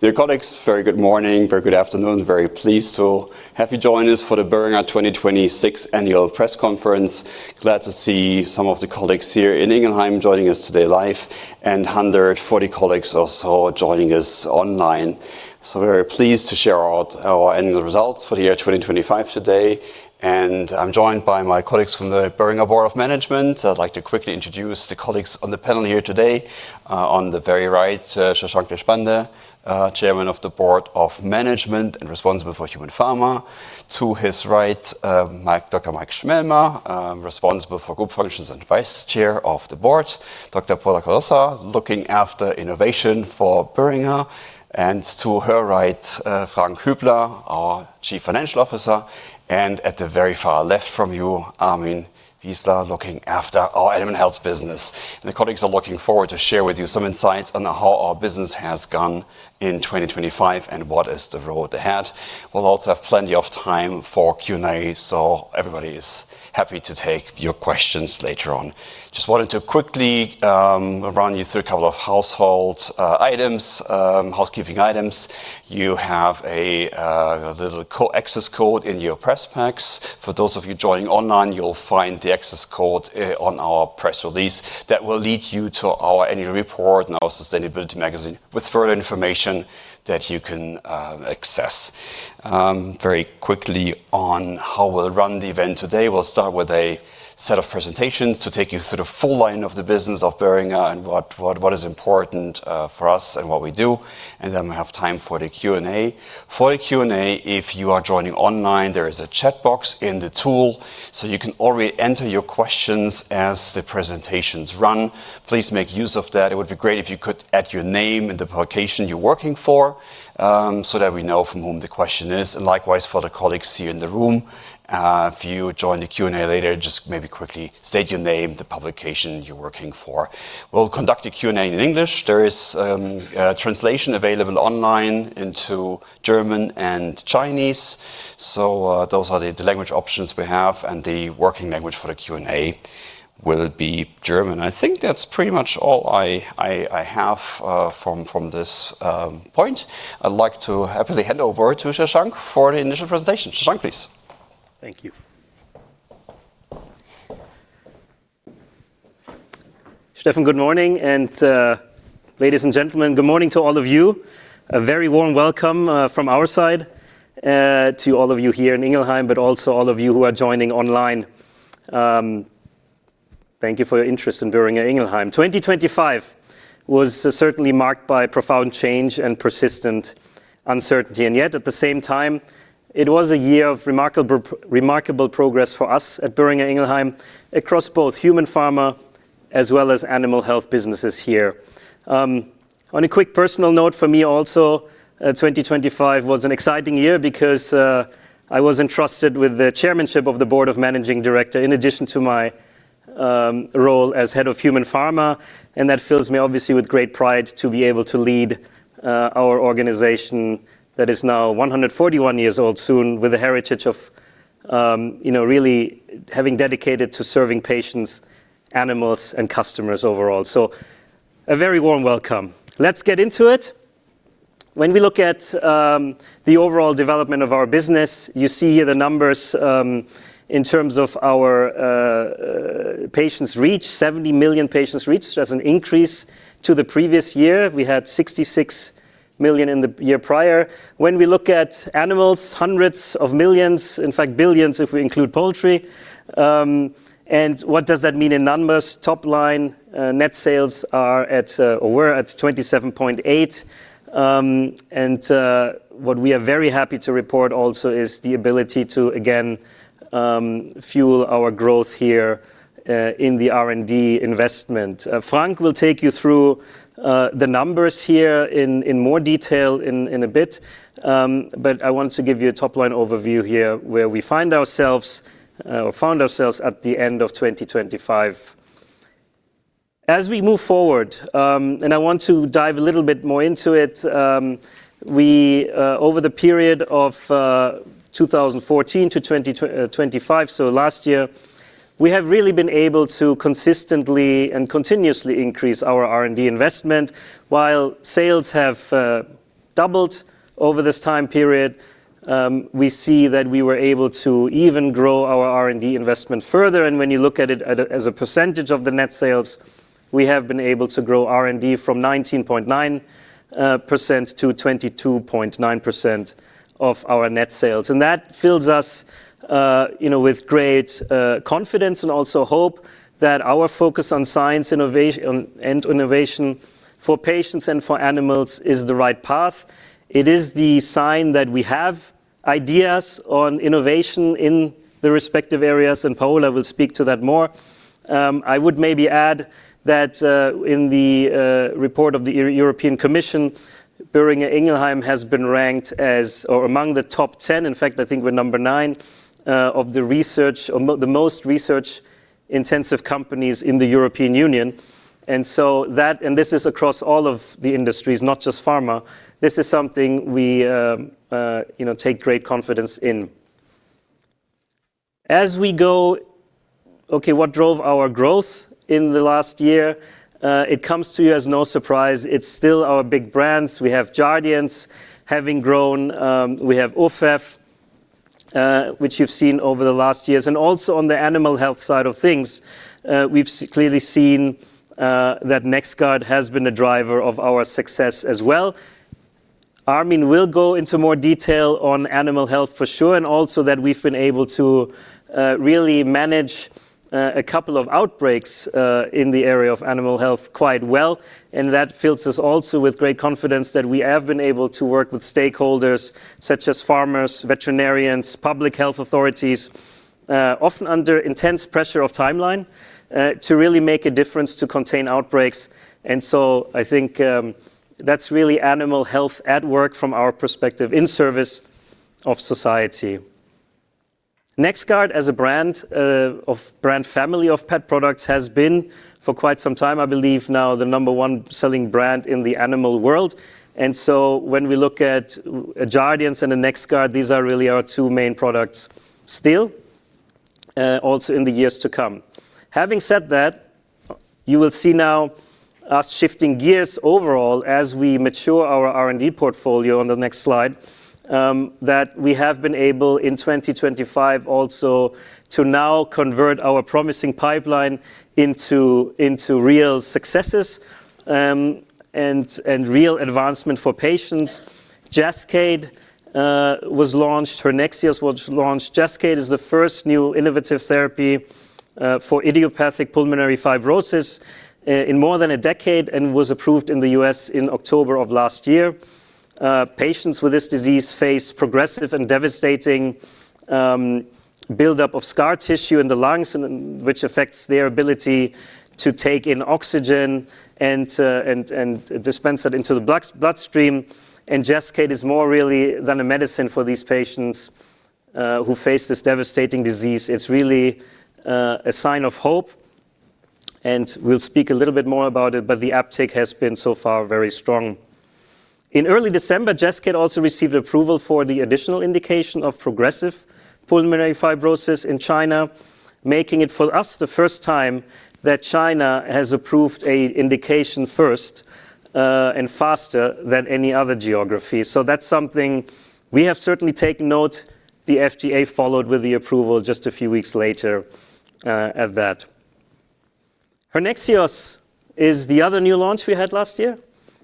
Dear colleagues, very good morning, very good afternoon. Very pleased to have you join us for the Boehringer Ingelheim 2026 Annual Press Conference. Glad to see some of the colleagues here in Ingelheim joining us today live, and 140 colleagues or so joining us online. Very pleased to share our annual results for the year 2025 today, and I'm joined by my colleagues from the Boehringer Board of Management. I'd like to quickly introduce the colleagues on the panel here today. On the very right, Shashank Deshpande, chairman of the Board of Management and responsible for Human Pharma. To his right, Dr. Michael Schmelmer, responsible for Group Functions and Vice Chair of the Board. Dr. Paola Casarosa, looking after innovation for Boehringer, and to her right, Frank Hübler, our Chief Financial Officer, and at the very far left from you, Armin Wiesler, looking after our Animal Health business. My colleagues are looking forward to share with you some insights on how our business has gone in 2025 and what is the road ahead. We'll also have plenty of time for Q&A, so everybody is happy to take your questions later on. Just wanted to quickly run you through a couple of housekeeping items. You have a little access code in your press packs. For those of you joining online, you'll find the access code on our press release that will lead you to our annual report and our sustainability magazine with further information that you can access. Very quickly on how we'll run the event today. We'll start with a set of presentations to take you through the full line of the business of Boehringer and what is important for us and what we do. Then we have time for the Q&A. For the Q&A, if you are joining online, there is a chat box in the tool, so you can already enter your questions as the presentations run. Please make use of that. It would be great if you could add your name and the publication you're working for, so that we know from whom the question is. Likewise, for the colleagues here in the room, if you join the Q&A later, just maybe quickly state your name, the publication you're working for. We'll conduct the Q&A in English. There is translation available online into German and Chinese. Those are the language options we have, and the working language for the Q&A will be German. I think that's pretty much all I have from this point. I'd like to happily hand over to Shashank for the initial presentation. Shashank, please. Thank you. Stefan, good morning. Ladies and gentlemen, good morning to all of you. A very warm welcome, from our side, to all of you here in Ingelheim, but also all of you who are joining online. Thank you for your interest in Boehringer Ingelheim. 2025 was certainly marked by profound change and persistent uncertainty, and yet at the same time, it was a year of remarkable progress for us at Boehringer Ingelheim across both Human Pharma as well as Animal Health businesses here. On a quick personal note for me also, 2025 was an exciting year because I was entrusted with the chairmanship of the Board of Managing Directors in addition to my role as head of Human Pharma, and that fills me obviously with great pride to be able to lead our organization that is now 141 years old soon, with a heritage of you know really having dedicated to serving patients, animals, and customers overall. A very warm welcome. Let's get into it. When we look at the overall development of our business, you see the numbers in terms of our patients reached. 70 million patients reached. That's an increase to the previous year. We had 66 million in the year prior. When we look at animals, hundreds of millions, in fact billions, if we include poultry. What does that mean in numbers? Top line, net sales are at, or were at 27.8 billion. What we are very happy to report also is the ability to again fuel our growth here in the R&D investment. Frank will take you through the numbers here in more detail in a bit. I want to give you a top line overview here where we find ourselves, or found ourselves at the end of 2025. As we move forward, I want to dive a little bit more into it, we over the period of 2014 to 2025, so last year, we have really been able to consistently and continuously increase our R&D investment. While sales have doubled over this time period, we see that we were able to even grow our R&D investment further. When you look at it as a percentage of the net sales, we have been able to grow R&D from 19.9% to 22.9% of our net sales. That fills us, you know, with great confidence and also hope that our focus on science and innovation for patients and for animals is the right path. It is the sign that we have ideas on innovation in the respective areas, and Paola will speak to that more. I would maybe add that in the report of the European Commission, Boehringer Ingelheim has been ranked as or among the top 10, in fact, I think we're number nine, of the research or the most research intensive companies in the European Union. That, and this is across all of the industries, not just pharma, this is something we you know take great confidence in. As we go, okay, what drove our growth in the last year? It comes to you as no surprise. It's still our big brands. We have Jardiance having grown, we have Ofev, which you've seen over the last years. Also on the Animal Health side of things, we've clearly seen that NexGard has been a driver of our success as well. Armin will go into more detail on Animal Health for sure, and also that we've been able to really manage a couple of outbreaks in the area of Animal Health quite well, and that fills us also with great confidence that we have been able to work with stakeholders such as farmers, veterinarians, public health authorities often under intense pressure of timeline to really make a difference to contain outbreaks. I think that's really Animal Health at work from our perspective in service of society. NexGard as a brand of brand family of pet products has been for quite some time, I believe now the number one selling brand in the animal world. When we look at Jardiance and the NexGard, these are really our two main products still also in the years to come. Having said that, you will see now us shifting gears overall as we mature our R&D portfolio on the next slide, that we have been able in 2025 also to now convert our promising pipeline into real successes, and real advancement for patients. JASCAYD was launched, HERNEXEOS was launched. JASCAYD is the first new innovative therapy for idiopathic pulmonary fibrosis in more than a decade and was approved in the U.S. in October of last year. Patients with this disease face progressive and devastating build-up of scar tissue in the lungs and, which affects their ability to take in oxygen and dispense it into the bloodstream, and JASCAYD is more really than a medicine for these patients who face this devastating disease. It's really a sign of hope, and we'll speak a little bit more about it, but the uptake has been so far very strong. In early December, JASCAYD also received approval for the additional indication of progressive pulmonary fibrosis in China, making it for us the first time that China has approved an indication first, and faster than any other geography. That's something we have certainly taken note. The FDA followed with the approval just a few weeks later, at that. HERNEXEOS is the other new launch we had last year.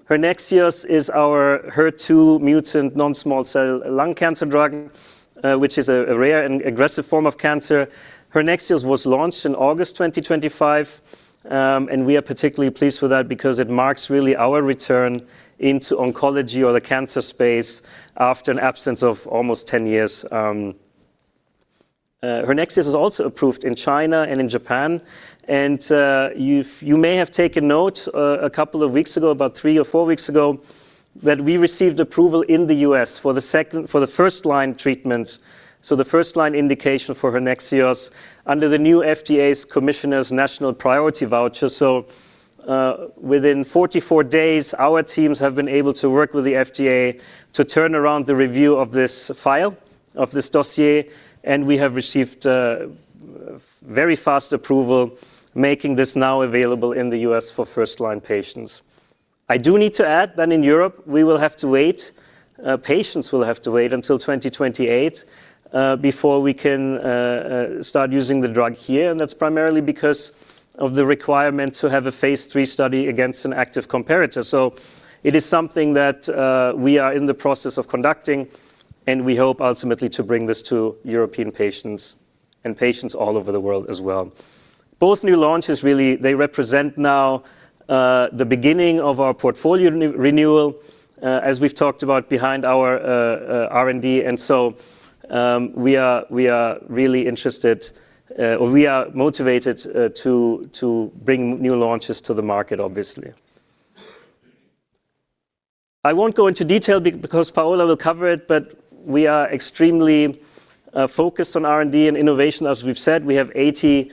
HERNEXEOS is our HER2 mutant non-small cell lung cancer drug, which is a rare and aggressive form of cancer. HERNEXEOS was launched in August 2025, and we are particularly pleased with that because it marks really our return into oncology or the cancer space after an absence of almost 10 years. HERNEXEOS is also approved in China and in Japan, and you may have taken note a couple of weeks ago, about three or four weeks ago, that we received approval in the U.S. for the first-line treatment, so the first-line indication for HERNEXEOS under the new FDA's Commissioner's National Priority Voucher. Within 44 days, our teams have been able to work with the FDA to turn around the review of this file, of this dossier, and we have received very fast approval, making this now available in the U.S. for first-line patients. I do need to add that in Europe, we will have to wait, patients will have to wait until 2028 before we can start using the drug here, and that's primarily because of the requirement to have a phase III study against an active comparator. It is something that we are in the process of conducting, and we hope ultimately to bring this to European patients and patients all over the world as well. Both new launches really, they represent now the beginning of our portfolio renewal as we've talked about behind our R&D. We are really interested or we are motivated to bring new launches to the market, obviously. I won't go into detail because Paola will cover it, but we are extremely focused on R&D and innovation. As we've said, we have 80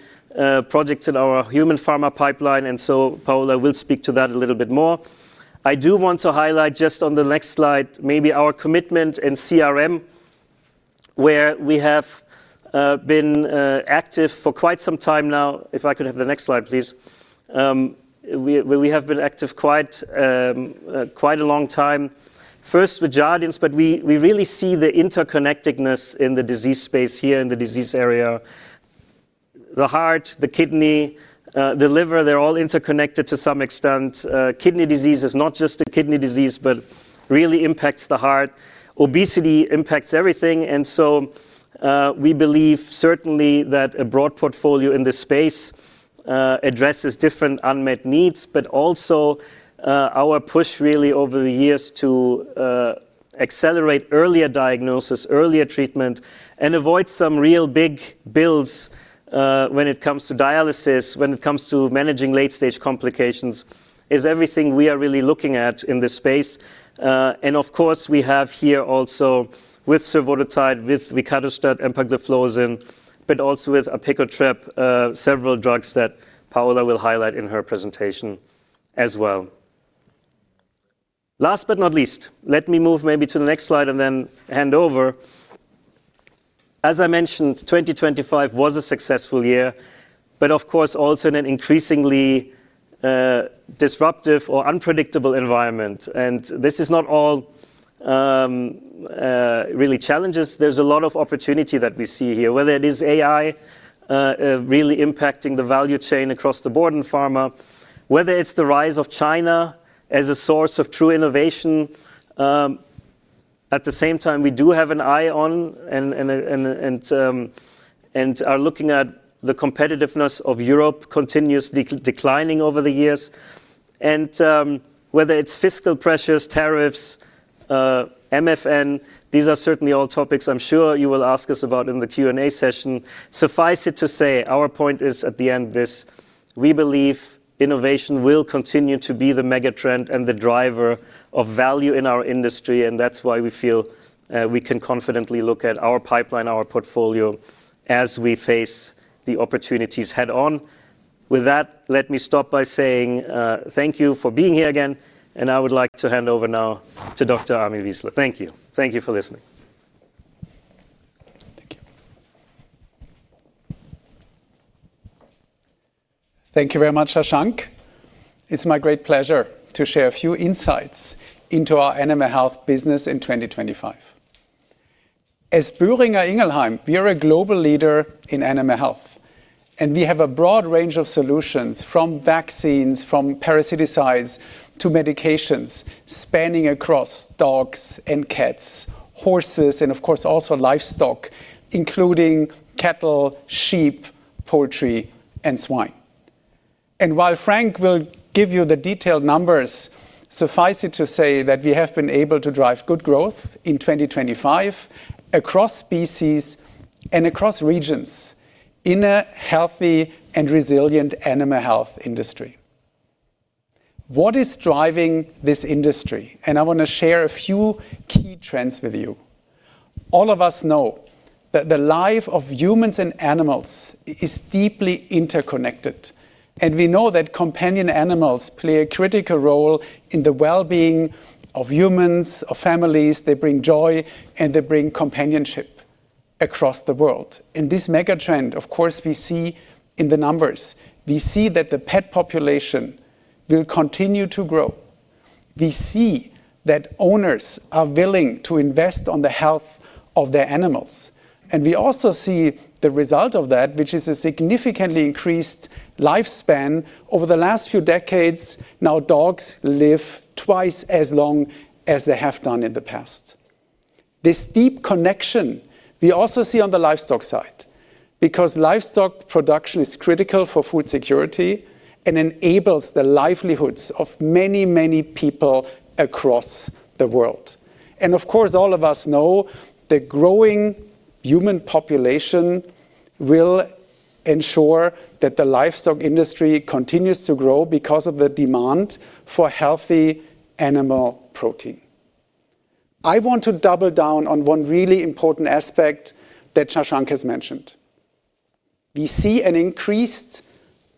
projects in our Human Pharma pipeline, and so Paola will speak to that a little bit more. I do want to highlight just on the next slide, maybe our commitment in CRM, where we have been active for quite some time now. If I could have the next slide, please. We have been active quite a long time, first with Jardiance, but we really see the interconnectedness in the disease space here in the disease area. The heart, the kidney, the liver, they're all interconnected to some extent. Kidney disease is not just a kidney disease, but really impacts the heart. Obesity impacts everything. We believe certainly that a broad portfolio in this space addresses different unmet needs, but also, our push really over the years to accelerate earlier diagnosis, earlier treatment, and avoid some real big bills when it comes to dialysis, when it comes to managing late-stage complications, is everything we are really looking at in this space. Of course, we have here also with survodutide, with Victoza, empagliflozin, but also with apecotrep, several drugs that Paola will highlight in her presentation as well. Last but not least, let me move maybe to the next slide and then hand over. As I mentioned, 2025 was a successful year, but of course also in an increasingly disruptive or unpredictable environment. This is not all, really challenges. There's a lot of opportunity that we see here, whether it is AI really impacting the value chain across the board in pharma, whether it's the rise of China as a source of true innovation. At the same time, we do have an eye on and are looking at the competitiveness of Europe continuously declining over the years, and whether it's fiscal pressures, tariffs, MFN. These are certainly all topics I'm sure you will ask us about in the Q&A session. Suffice it to say, our point is at the end this. We believe innovation will continue to be the mega trend and the driver of value in our industry, and that's why we feel we can confidently look at our pipeline, our portfolio as we face the opportunities head-on. With that, let me stop by saying, thank you for being here again, and I would like to hand over now to Dr. Armin Wiesler. Thank you. Thank you for listening. Thank you. Thank you very much, Shashank. It's my great pleasure to share a few insights into our Animal Health business in 2025. As Boehringer Ingelheim, we are a global leader in animal health, and we have a broad range of solutions from vaccines, from parasiticides to medications spanning across dogs and cats, horses, and of course, also livestock, including cattle, sheep, poultry and swine. While Frank will give you the detailed numbers, suffice it to say that we have been able to drive good growth in 2025 across species and across regions in a healthy and resilient animal health industry. What is driving this industry? I want to share a few key trends with you. All of us know that the life of humans and animals is deeply interconnected, and we know that companion animals play a critical role in the well-being of humans, of families. They bring joy, and they bring companionship across the world. In this mega trend, of course, we see in the numbers, we see that the pet population will continue to grow. We see that owners are willing to invest in the health of their animals. We also see the result of that, which is a significantly increased lifespan over the last few decades. Now, dogs live twice as long as they have done in the past. This deep connection we also see on the livestock side, because livestock production is critical for food security and enables the livelihoods of many, many people across the world. Of course, all of us know the growing human population will ensure that the livestock industry continues to grow because of the demand for healthy animal protein. I want to double down on one really important aspect that Shashank has mentioned. We see an increased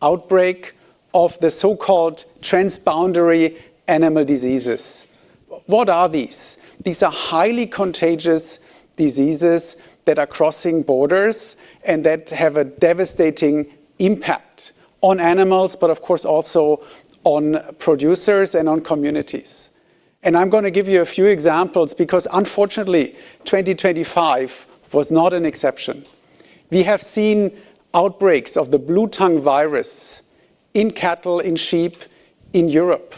outbreak of the so-called transboundary animal diseases. What are these? These are highly contagious diseases that are crossing borders and that have a devastating impact on animals, but of course, also on producers and on communities. I'm going to give you a few examples because unfortunately, 2025 was not an exception. We have seen outbreaks of the bluetongue virus in cattle, in sheep in Europe.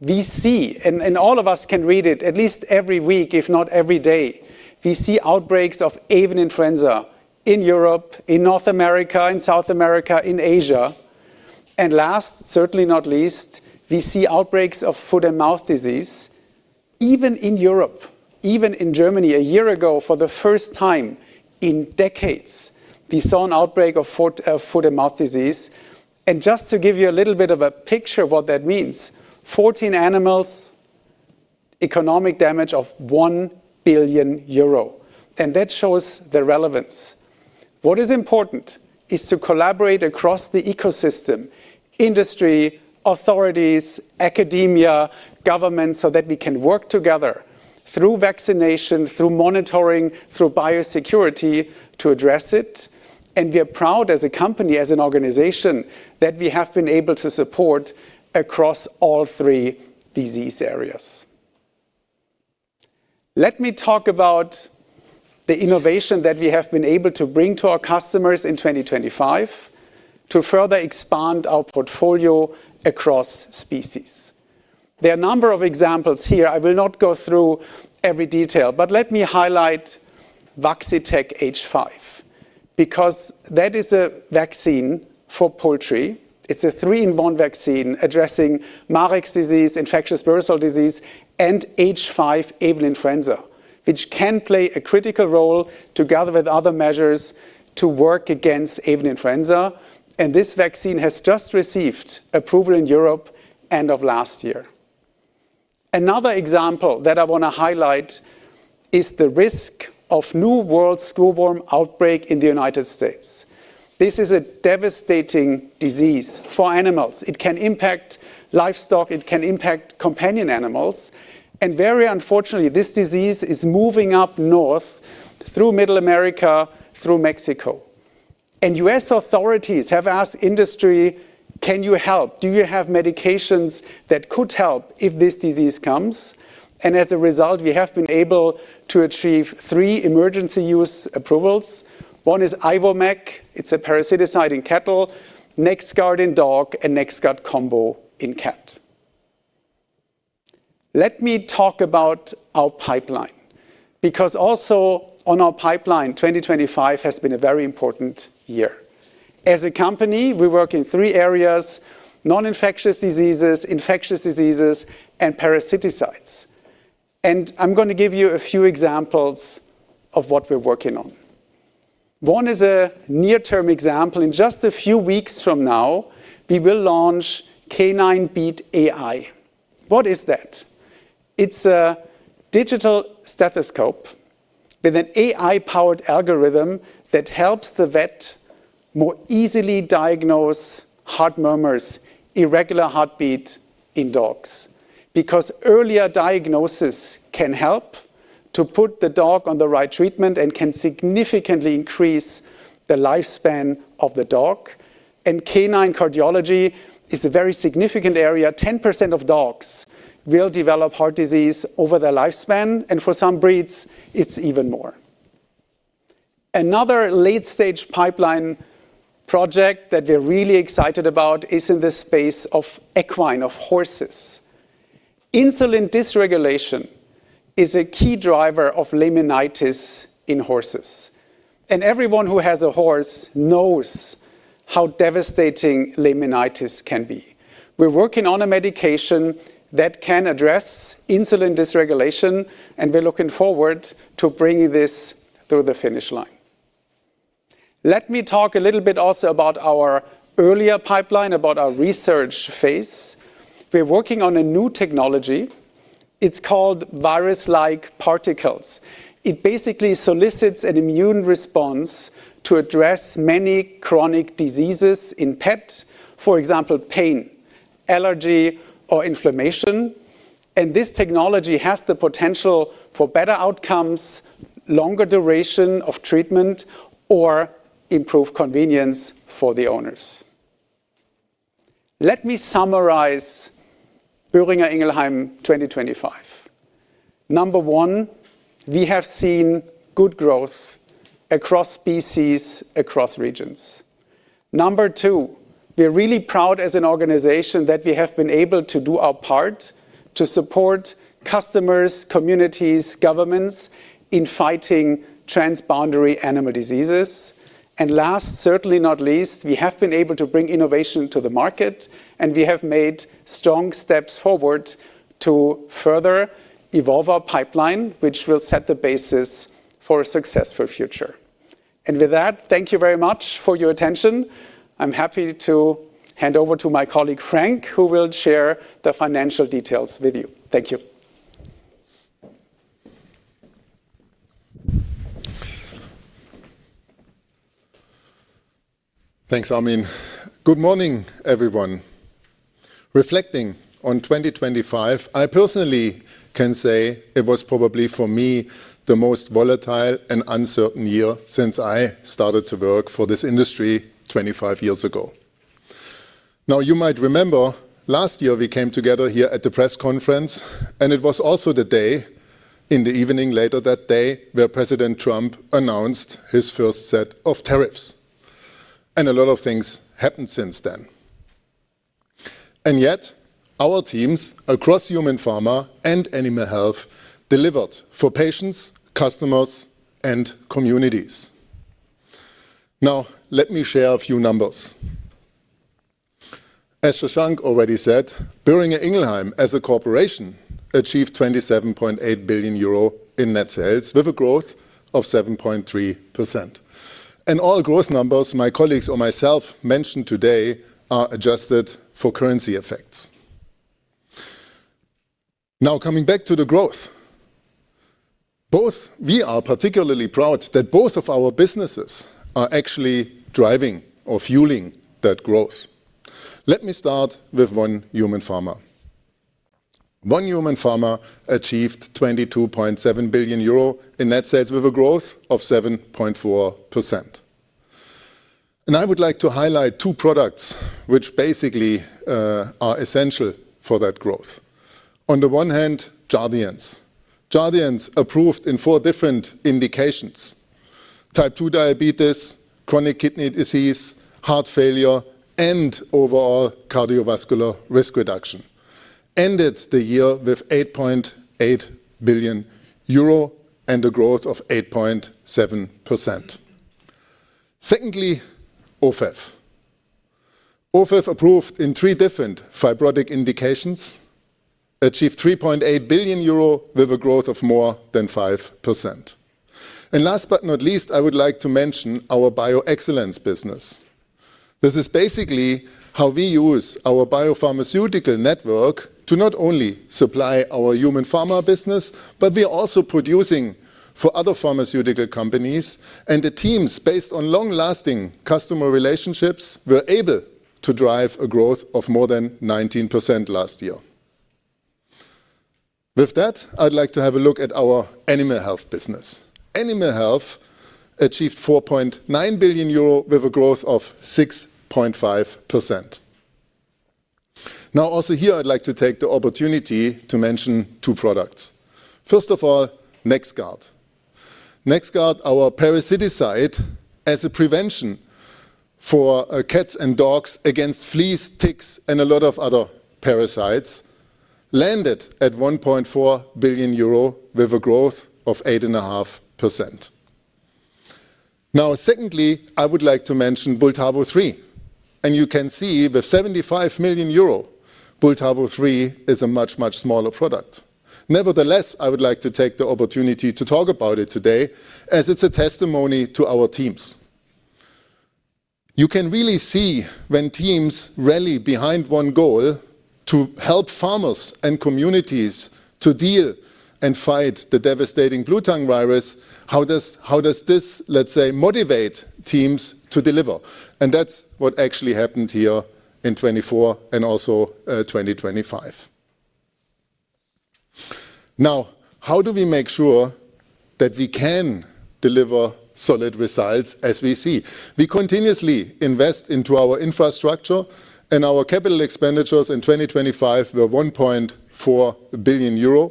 We see, and all of us can read it at least every week, if not every day. We see outbreaks of avian influenza in Europe, in North America, in South America, in Asia. Last, certainly not least, we see outbreaks of foot-and-mouth disease even in Europe. Even in Germany, a year ago, for the first time in decades, we saw an outbreak of foot-and-mouth disease. Just to give you a little bit of a picture of what that means. 14 animals, economic damage of 1 billion euro. That shows the relevance. What is important is to collaborate across the ecosystem, industry, authorities, academia, government, so that we can work together through vaccination, through monitoring, through biosecurity to address it. We are proud as a company, as an organization, that we have been able to support across all three disease areas. Let me talk about the innovation that we have been able to bring to our customers in 2025 to further expand our portfolio across species. There are a number of examples here. I will not go through every detail, but let me highlight VAXXITEK H5 because that is a vaccine for poultry. It's a three-in-one vaccine addressing Marek's disease, infectious bursal disease, and H5 avian influenza, which can play a critical role together with other measures to work against avian influenza. This vaccine has just received approval in Europe end of last year. Another example that I want to highlight is the risk of New World screwworm outbreak in the United States. This is a devastating disease for animals. It can impact livestock, it can impact companion animals, and very unfortunately, this disease is moving up north through Middle America, through Mexico. U.S. authorities have asked industry, "Can you help? Do you have medications that could help if this disease comes?" As a result, we have been able to achieve three emergency use approvals. One is Ivomec, it's a parasiticide in cattle, NexGard in dog, and NexGard COMBO in cat. Let me talk about our pipeline, because also on our pipeline, 2025 has been a very important year. As a company, we work in three areas: non-infectious diseases, infectious diseases, and parasiticides. I'm gonna give you a few examples of what we're working on. One is a near-term example. In just a few weeks from now, we will launch [Canine BeatAI]. What is that? It's a digital stethoscope with an AI-powered algorithm that helps the vet more easily diagnose heart murmurs, irregular heartbeat in dogs. Because earlier diagnosis can help to put the dog on the right treatment and can significantly increase the lifespan of the dog. Canine cardiology is a very significant area. 10% of dogs will develop heart disease over their lifespan, and for some breeds, it's even more. Another late-stage pipeline project that we're really excited about is in the space of equine, of horses. Insulin dysregulation is a key driver of laminitis in horses, and everyone who has a horse knows how devastating laminitis can be. We're working on a medication that can address insulin dysregulation, and we're looking forward to bringing this through the finish line. Let me talk a little bit also about our earlier pipeline, about our research phase. We're working on a new technology. It's called virus-like particles. It basically solicits an immune response to address many chronic diseases in pets, for example, pain, allergy, or inflammation. This technology has the potential for better outcomes, longer duration of treatment, or improved convenience for the owners. Let me summarize Boehringer Ingelheim 2025. Number one, we have seen good growth across species, across regions. Number two, we're really proud as an organization that we have been able to do our part to support customers, communities, governments in fighting transboundary animal diseases. Last, certainly not least, we have been able to bring innovation to the market, and we have made strong steps forward to further evolve our pipeline, which will set the basis for a successful future. With that, thank you very much for your attention. I'm happy to hand over to my colleague, Frank, who will share the financial details with you. Thank you. Thanks, Armin. Good morning, everyone. Reflecting on 2025, I personally can say it was probably, for me, the most volatile and uncertain year since I started to work for this industry 25 years ago. Now, you might remember last year we came together here at the press conference, and it was also the day in the evening later that day where President Trump announced his first set of tariffs. A lot of things happened since then. Yet our teams across Human Pharma and Animal Health delivered for patients, customers, and communities. Now, let me share a few numbers. As Shashank already said, Boehringer Ingelheim as a corporation achieved 27.8 billion euro in net sales with a growth of 7.3%. All growth numbers my colleagues or myself mentioned today are adjusted for currency effects. Now, coming back to the growth. Both, we are particularly proud that both of our businesses are actually driving or fueling that growth. Let me start with our Human Pharma. Our Human Pharma achieved 22.7 billion euro in net sales with a growth of 7.4%. I would like to highlight two products which basically are essential for that growth. On the one hand, Jardiance. Jardiance, approved in four different indications, Type 2 diabetes, chronic kidney disease, heart failure, and overall cardiovascular risk reduction, ended the year with 8.8 billion euro and a growth of 8.7%. Secondly, Ofev. Ofev, approved in three different fibrotic indications, achieved 3.8 billion euro with a growth of more than 5%. Last but not least, I would like to mention our BioXcellence business. This is basically how we use our biopharmaceutical network to not only supply our Human Pharma business, but we are also producing for other pharmaceutical companies. The teams, based on long-lasting customer relationships, were able to drive a growth of more than 19% last year. With that, I'd like to have a look at our Animal Health business. Animal Health achieved 4.9 billion euro with a growth of 6.5%. Now also here, I'd like to take the opportunity to mention two products. First of all, NexGard. NexGard, our parasiticide as a prevention for cats and dogs against fleas, ticks and a lot of other parasites, landed at 1.4 billion euro with a growth of 8.5%. Now secondly, I would like to mention BULTAVO 3. You can see with 75 million euro, BULTAVO 3 is a much, much smaller product. Nevertheless, I would like to take the opportunity to talk about it today as it's a testimony to our teams. You can really see when teams rally behind one goal to help farmers and communities to deal and fight the devastating bluetongue virus, how does this, let's say, motivate teams to deliver? That's what actually happened here in 2024 and also 2025. Now, how do we make sure that we can deliver solid results as we see? We continuously invest into our infrastructure and our capital expenditures in 2025 were 1.4 billion euro.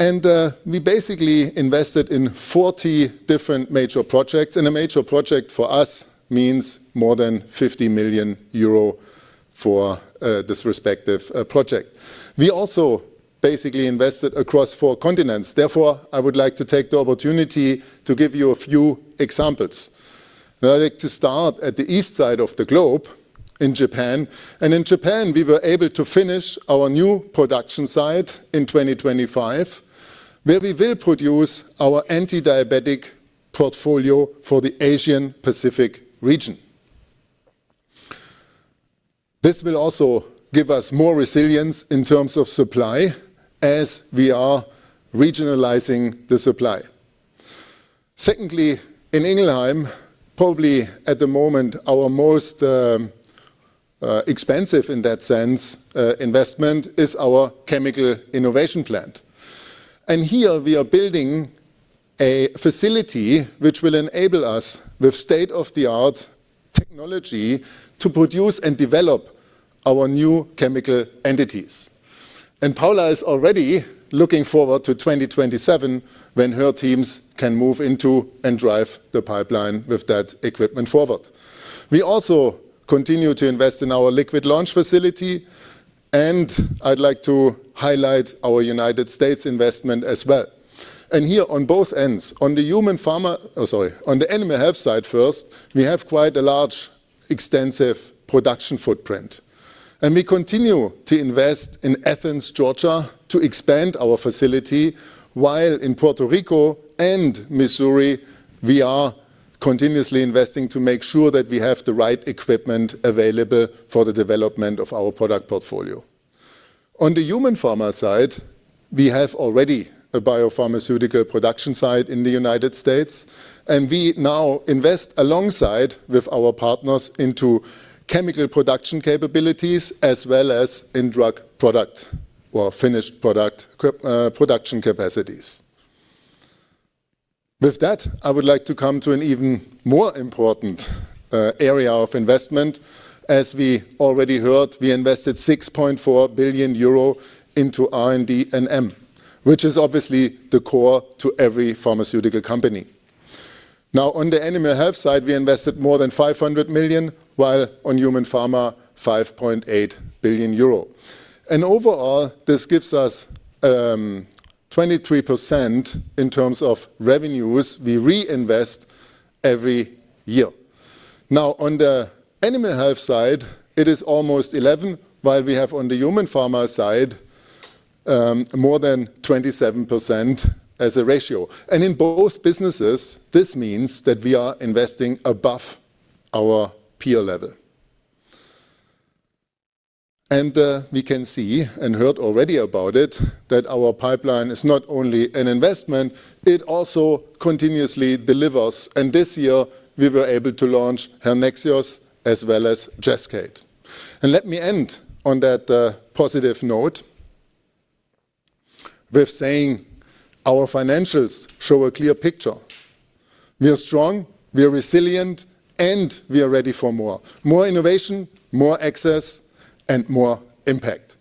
We basically invested in 40 different major projects. A major project for us means more than 50 million euro for this respective project. We also basically invested across four continents. Therefore, I would like to take the opportunity to give you a few examples. I'd like to start at the east side of the globe in Japan. In Japan, we were able to finish our new production site in 2025, where we will produce our antidiabetic portfolio for the Asian Pacific region. This will also give us more resilience in terms of supply as we are regionalizing the supply. Secondly, in Ingelheim, probably at the moment our most expensive in that sense investment is our Chemical Innovation Plant. Here we are building a facility which will enable us with state-of-the-art technology to produce and develop our new chemical entities. Paola is already looking forward to 2027 when her teams can move into and drive the pipeline with that equipment forward. We also continue to invest in our liquid launch facility, and I'd like to highlight our United States investment as well. Here on both ends, on the Animal Health side first, we have quite a large extensive production footprint. We continue to invest in Athens, Georgia, to expand our facility, while in Puerto Rico and Missouri, we are continuously investing to make sure that we have the right equipment available for the development of our product portfolio. On the Human Pharma side, we have already a biopharmaceutical production site in the United States, and we now invest alongside with our partners into chemical production capabilities as well as in drug product or finished product production capacities. With that, I would like to come to an even more important area of investment. As we already heard, we invested 6.4 billion euro into R&D and M&A, which is obviously the core to every pharmaceutical company. Now on the Animal Health side, we invested more than 500 million, while on Human Pharma, 5.8 billion euro. Overall, this gives us 23% in terms of revenues we reinvest every year. Now on the Animal Health side, it is almost 11%, while we have on the Human Pharma side more than 27% as a ratio. In both businesses, this means that we are investing above our peer level. We can see and heard already about it that our pipeline is not only an investment, it also continuously delivers. This year we were able to launch HERNEXEOS as well as JASCAYD. Let me end on that positive note with saying our financials show a clear picture. We are strong, we are resilient, and we are ready for more. More innovation, more access and more impact.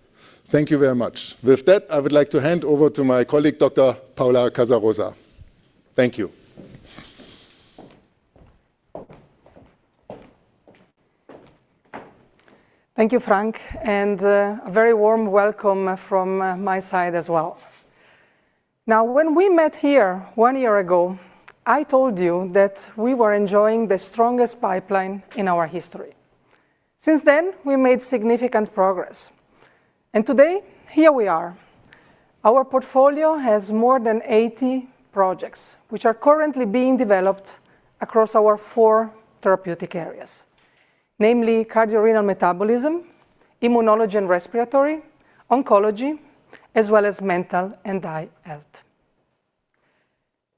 Thank you very much. With that, I would like to hand over to my colleague, Dr. Paola Casarosa. Thank you. Thank you, Frank, and a very warm welcome from my side as well. Now, when we met here one year ago, I told you that we were enjoying the strongest pipeline in our history. Since then, we made significant progress. Today, here we are. Our portfolio has more than 80 projects which are currently being developed across our four therapeutic areas, namely cardiorenal metabolism, immunology and respiratory, oncology, as well as mental and eye health.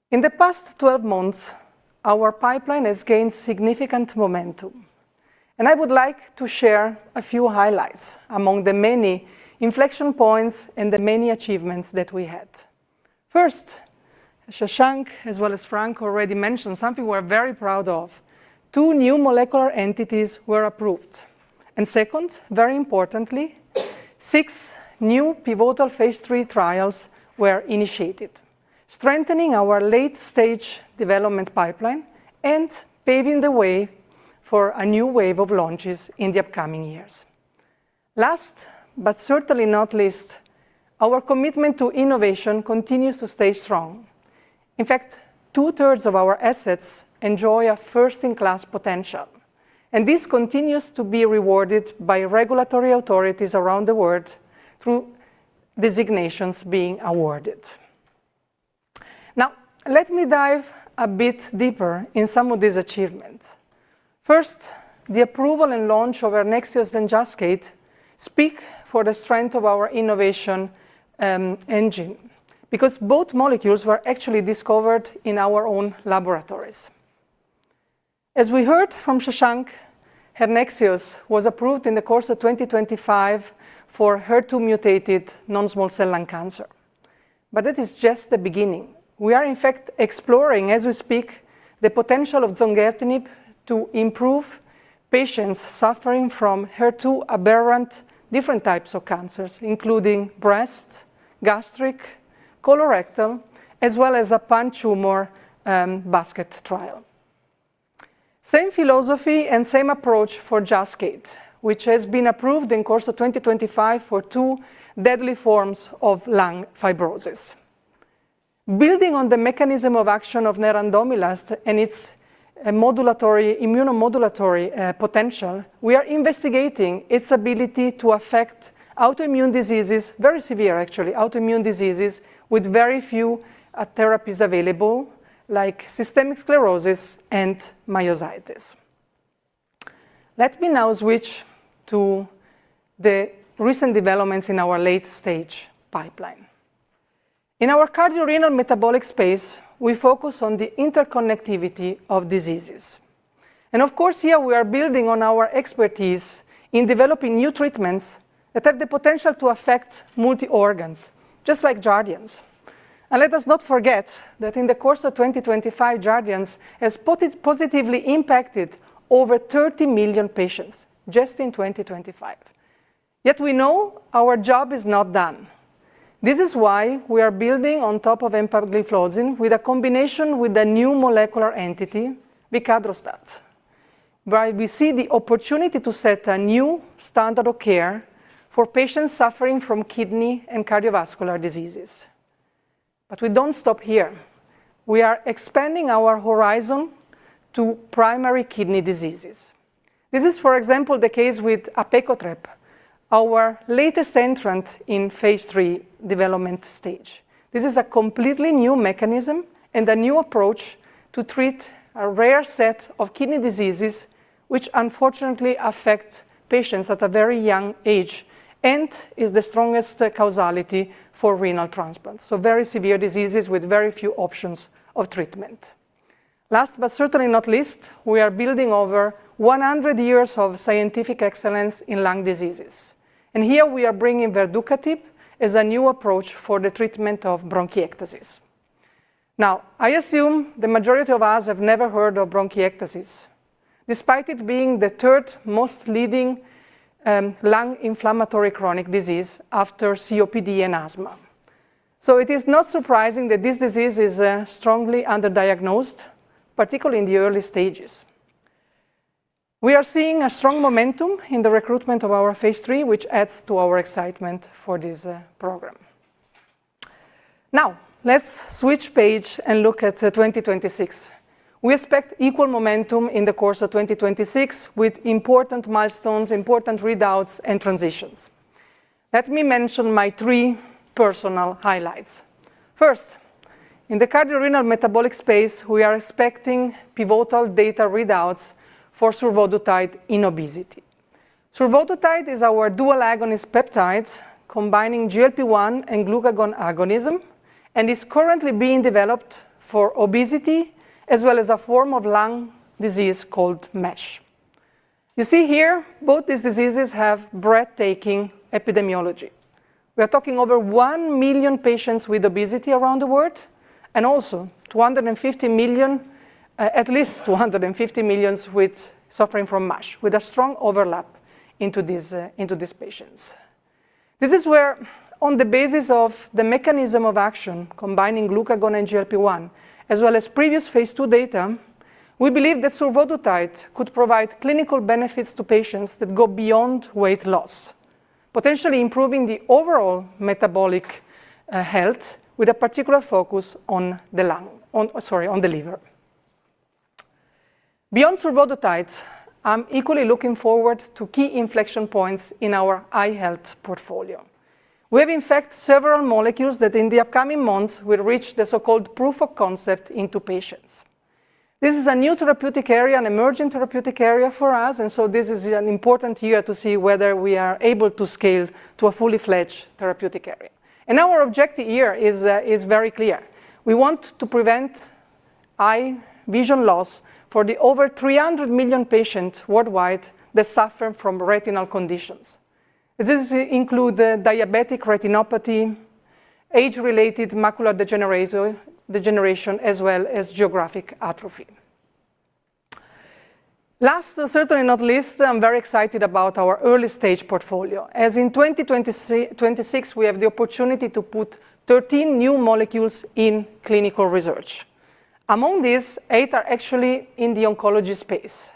In the past 12 months, our pipeline has gained significant momentum, and I would like to share a few highlights among the many inflection points and the many achievements that we had. First, Shashank as well as Frank already mentioned something we're very proud of. Two new molecular entities were approved. Second, very importantly, six new pivotal phase III trials were initiated, strengthening our late-stage development pipeline and paving the way for a new wave of launches in the upcoming years. Last but certainly not least, our commitment to innovation continues to stay strong. In fact, 2/3 of our assets enjoy a first-in-class potential, and this continues to be rewarded by regulatory authorities around the world through designations being awarded. Now, let me dive a bit deeper in some of these achievements. First, the approval and launch of HERNEXEOS and JASCAYD speak for the strength of our innovation engine, because both molecules were actually discovered in our own laboratories. As we heard from Shashank, HERNEXEOS was approved in the course of 2025 for HER2-mutated non-small cell lung cancer. That is just the beginning. We are in fact exploring, as we speak, the potential of zongertinib to improve patients suffering from HER2 aberrant different types of cancers, including breast, gastric, colorectal, as well as a pan-tumor basket trial. Same philosophy and same approach for JASCAYD, which has been approved in course of 2025 for two deadly forms of lung fibrosis. Building on the mechanism of action of nerandomilast and its modulatory, immunomodulatory potential, we are investigating its ability to affect autoimmune diseases, very severe actually, autoimmune diseases with very few therapies available, like systemic sclerosis and myositis. Let me now switch to the recent developments in our late-stage pipeline. In our cardiorenal metabolic space, we focus on the interconnectivity of diseases. Of course, here we are building on our expertise in developing new treatments that have the potential to affect multi-organs, just like Jardiance. Let us not forget that in the course of 2025, Jardiance has positively impacted over 30 million patients just in 2025. Yet we know our job is not done. This is why we are building on top of empagliflozin with a combination with a new molecular entity, vicadrostat, where we see the opportunity to set a new standard of care for patients suffering from kidney and cardiovascular diseases. We don't stop here. We are expanding our horizon to primary kidney diseases. This is, for example, the case with apecotrep, our latest entrant in phase III development stage. This is a completely new mechanism and a new approach to treat a rare set of kidney diseases which unfortunately affect patients at a very young age and is the strongest causality for renal transplant. Very severe diseases with very few options of treatment. Last but certainly not least, we are building over 100 years of scientific excellence in lung diseases, and here we are bringing verducatib as a new approach for the treatment of bronchiectasis. Now, I assume the majority of us have never heard of bronchiectasis, despite it being the third most leading lung inflammatory chronic disease after COPD and asthma. It is not surprising that this disease is strongly underdiagnosed, particularly in the early stages. We are seeing a strong momentum in the recruitment of our phase III, which adds to our excitement for this program. Now, let's switch page and look at 2026. We expect equal momentum in the course of 2026 with important milestones, important readouts, and transitions. Let me mention my three personal highlights. First, in the cardiorenal metabolism space, we are expecting pivotal data readouts for survodutide in obesity. Survodutide is our dual agonist peptides combining GLP-1 and glucagon agonism and is currently being developed for obesity as well as a form of lung disease called MASH. You see here, both these diseases have breathtaking epidemiology. We are talking over 1 million patients with obesity around the world and also 250 million, at least 250 million suffering from MASH, with a strong overlap into these patients. This is where on the basis of the mechanism of action combining glucagon and GLP-1 as well as previous phase II data, we believe that survodutide could provide clinical benefits to patients that go beyond weight loss. Potentially improving the overall metabolic health with a particular focus on the liver. Beyond survodutide, I'm equally looking forward to key inflection points in our eye health portfolio. We have in fact several molecules that in the upcoming months will reach the so-called proof of concept into patients. This is a new therapeutic area, an emerging therapeutic area for us, and so this is an important year to see whether we are able to scale to a fully fledged therapeutic area. Our objective here is very clear. We want to prevent eye vision loss for the over 300 million patients worldwide that suffer from retinal conditions. This include diabetic retinopathy, age-related macular degeneration, as well as geographic atrophy. Last, and certainly not least, I'm very excited about our early stage portfolio. As in 2026, we have the opportunity to put 13 new molecules in clinical research. Among these, eight are actually in the oncology space,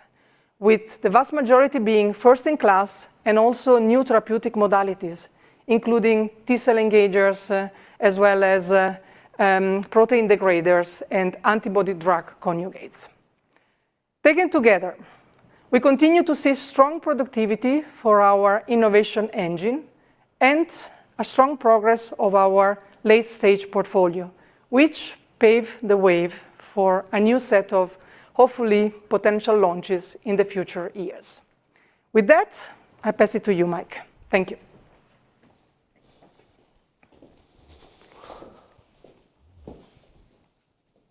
with the vast majority being first in class and also new therapeutic modalities, including T-cell engagers, as well as, protein degraders and antibody drug conjugates. Taken together, we continue to see strong productivity for our innovation engine and a strong progress of our late-stage portfolio, which pave the way for a new set of hopefully potential launches in the future years. With that, I pass it to you, Mike. Thank you.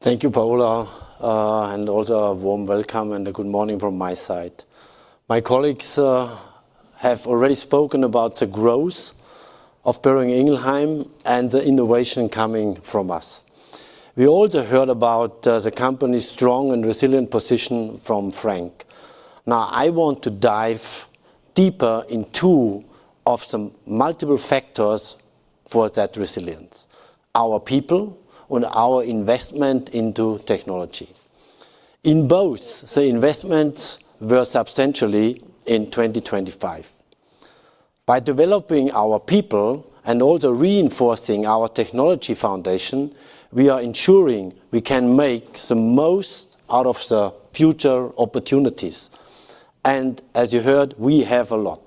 Thank you, Paola. Also a warm welcome and a good morning from my side. My colleagues have already spoken about the growth of Boehringer Ingelheim and the innovation coming from us. We also heard about the company's strong and resilient position from Frank. Now, I want to dive deeper into some multiple factors for that resilience, our people and our investment into technology. In both, the investments were substantially in 2025. By developing our people and also reinforcing our technology foundation, we are ensuring we can make the most out of the future opportunities. As you heard, we have a lot.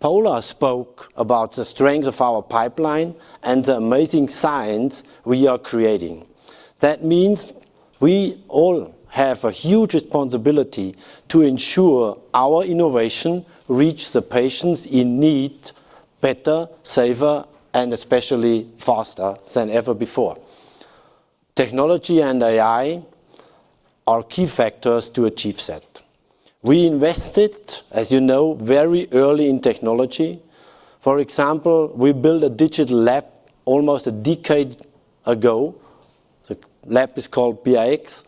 Paola spoke about the strength of our pipeline and the amazing science we are creating. That means we all have a huge responsibility to ensure our innovation reach the patients in need better, safer, and especially faster than ever before. Technology and AI are key factors to achieve that. We invested, as you know, very early in technology. For example, we built a digital lab almost a decade ago. The lab is called B IX.